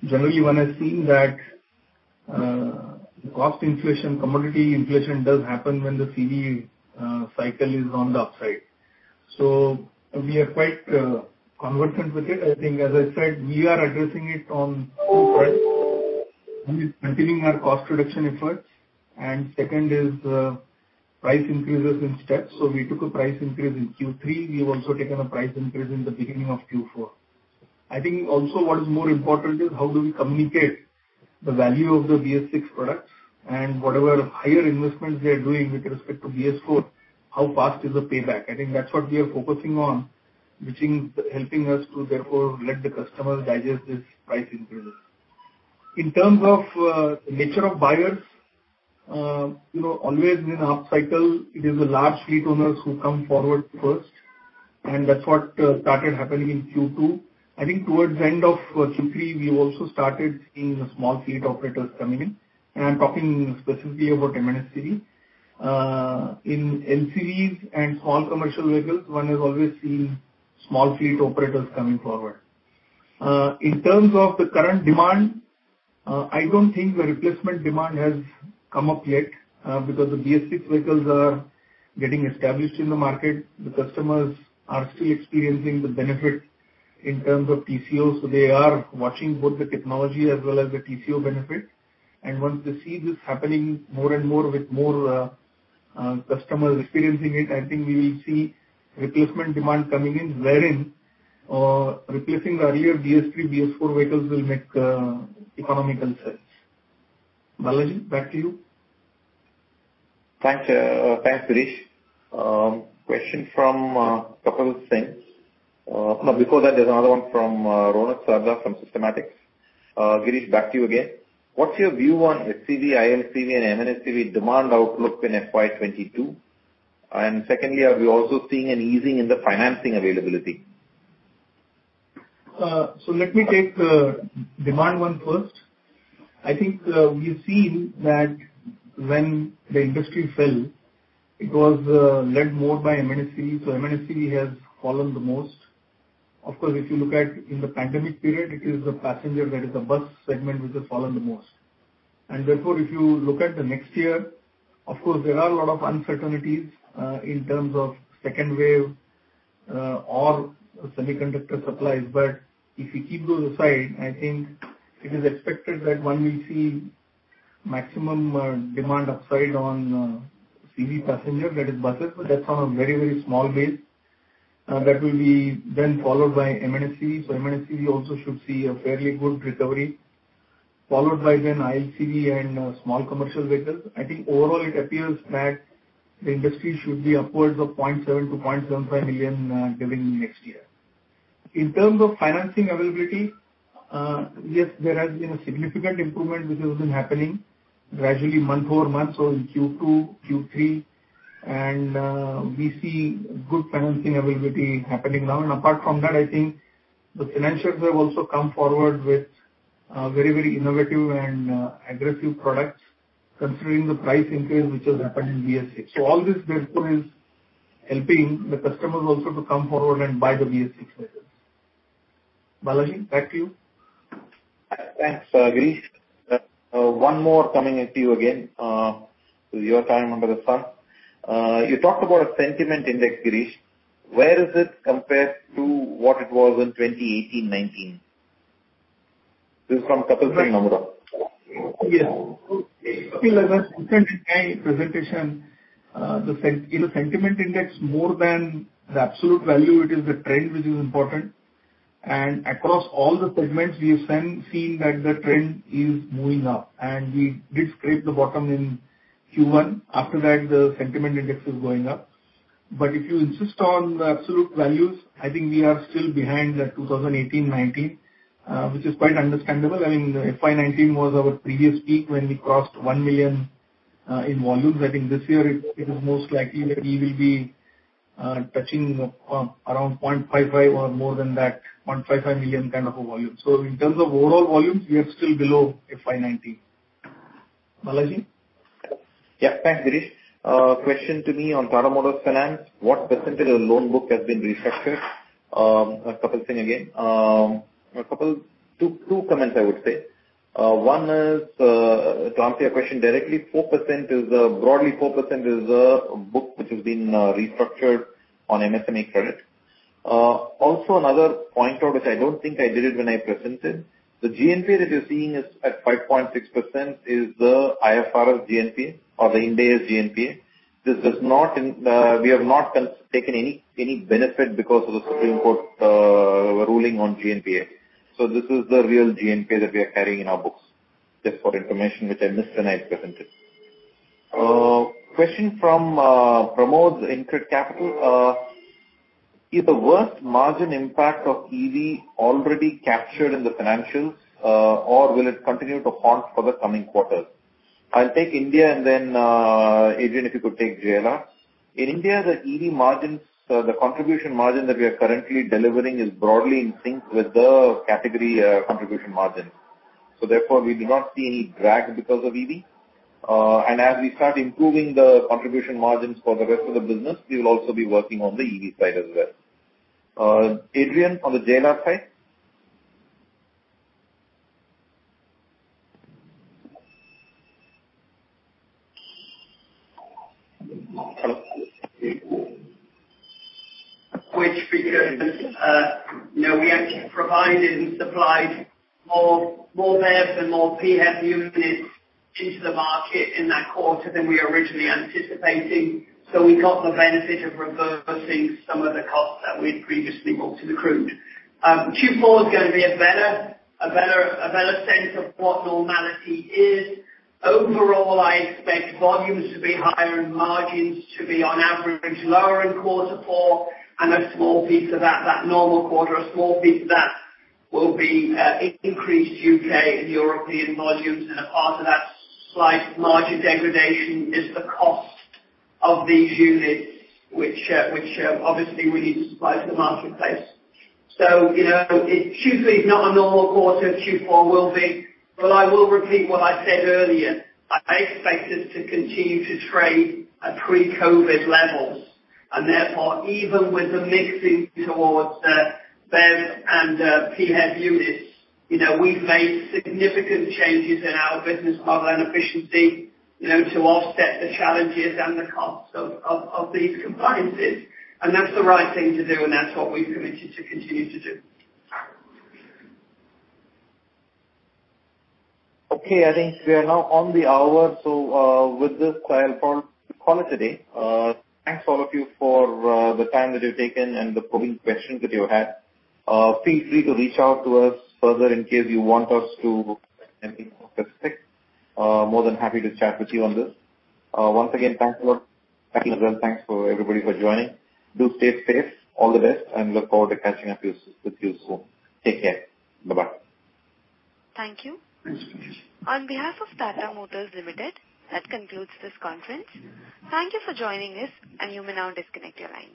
Speaker 5: generally, one has seen that cost inflation, commodity inflation does happen when the CV cycle is on the upside. We are quite convergent with it. I think, as I said, we are addressing it on two fronts. One is continuing our cost reduction efforts, and second is price increases in steps. We took a price increase in Q3. We've also taken a price increase in the beginning of Q4. I think also what is more important is how do we communicate the value of the BS-VI products and whatever higher investments we are doing with respect to BS-IV, how fast is the payback? I think that's what we are focusing on, which is helping us to therefore let the customers digest this price increase. In terms of nature of buyers, always in an up cycle, it is the large fleet owners who come forward first, and that's what started happening in Q2. I think towards the end of Q3, we also started seeing the small fleet operators coming in. I'm talking specifically about M&HCVs. In ILCVs and small commercial vehicles, one has always seen small fleet operators coming forward. In terms of the current demand, I don't think the replacement demand has come up yet, because the BS-VI vehicles are getting established in the market. They are watching both the technology as well as the TCO benefit. Once they see this happening more and more with more customers experiencing it, I think we will see replacement demand coming in wherein replacing earlier BS-III, BS-IV vehicles will make economical sense. Balaji, back to you.
Speaker 3: Thanks, Girish. Question from Kapil Singh. No, before that, there's another one from Ronak Sarda from Systematix. Girish, back to you again. What's your view on SCV, ILCV, and M&HCV demand outlook in FY 2022? Secondly, are we also seeing an easing in the financing availability?
Speaker 5: Let me take demand one first. I think we've seen that when the industry fell, it was led more by M&HCV. M&HCV has fallen the most. Of course, if you look at in the pandemic period, it is the passenger, that is the bus segment, which has fallen the most. Therefore, if you look at the next year, of course, there are a lot of uncertainties in terms of second wave or semiconductor supplies. If we keep those aside, I think it is expected that one will see maximum demand upside on CV passenger, that is buses. That's on a very small base. That will be then followed by M&HCV. M&HCV also should see a fairly good recovery, followed by then ILCV and small commercial vehicles. I think overall it appears that the industry should be upwards of 0.7 million to 0.75 million during next year. In terms of financing availability, yes, there has been a significant improvement which has been happening gradually month over month. In Q2, Q3, and we see good financing availability happening now. Apart from that, I think the financials have also come forward with very innovative and aggressive products considering the price increase which has happened in BS-VI. All this therefore is helping the customers also to come forward and buy the BS-VI vehicles. Balaji, back to you.
Speaker 3: Thanks, Girish. One more coming at you again, to your time under the sun. You talked about a sentiment index, Girish. Where is it compared to what it was in 2018, 2019? This is from Kapil Singh, Nomura.
Speaker 5: Yes. Kapil, as I presented in my presentation, in a sentiment index more than the absolute value, it is the trend which is important. Across all the segments, we have seen that the trend is moving up, and we did scrape the bottom in Q1. After that, the sentiment index is going up. If you insist on the absolute values, I think we are still behind that 2018-2019, which is quite understandable. I mean, FY 2019 was our previous peak when we crossed 1 million in volumes. I think this year it is most likely that we will be touching around 0.55 million or more than that, 0.55 million kind of a volume. In terms of overall volumes, we are still below FY 2019. Balaji?
Speaker 3: Thanks, Girish. Question to me on Tata Motors Finance, what percentage of loan book has been restructured? Kapil Singh again. Kapil, two comments, I would say. One is, to answer your question directly, broadly 4% is the book which has been restructured on MSME credit. Another point out, which I don't think I did it when I presented. The GNPA that you're seeing at 5.6% is the IFRS GNPA or the India GNPA. We have not taken any benefit because of the Supreme Court ruling on GNPA. This is the real GNPA that we are carrying in our books. Just for information, which I missed when I presented. Question from Pramod, InCred Capital. Is the worst margin impact of EV already captured in the financials, or will it continue to haunt for the coming quarters? I'll take India, then Adrian, if you could take JLR. In India, the contribution margin that we are currently delivering is broadly in sync with the category contribution margin. Therefore, we do not see any drag because of EV. As we start improving the contribution margins for the rest of the business, we will also be working on the EV side as well. Adrian, on the JLR side.
Speaker 4: Because we actually provided and supplied more BEVs and more PHEV units into the market in that quarter than we were originally anticipating. We got the benefit of reversing some of the costs that we'd previously accrued. Q4 is going to be a better sense of what normality is. Overall, I expect volumes to be higher and margins to be on average lower in quarter four and a small piece of that normal quarter, a small piece of that will be increased U.K. and European volumes, and a part of that slight margin degradation is the cost of these units, which obviously we need to supply to the marketplace. Q3 is not a normal quarter, Q4 will be. I will repeat what I said earlier, I expect us to continue to trade at pre-COVID levels. Therefore, even with the mixing towards the BEVs and PHEV units, we've made significant changes in our business model and efficiency to offset the challenges and the costs of these compliances. That's the right thing to do, and that's what we've committed to continue to do.
Speaker 3: Okay. I think we are now on the hour. With this, I will call it a day. Thanks all of you for the time that you've taken and the probing questions that you had. Feel free to reach out to us further in case you want us to be more specific. More than happy to chat with you on this. Once again, thanks a lot. Thanks for everybody for joining. Do stay safe. All the best, and look forward to catching up with you soon. Take care. Bye-bye.
Speaker 1: Thank you. On behalf of Tata Motors Limited, that concludes this conference. Thank you for joining us. You may now disconnect your lines.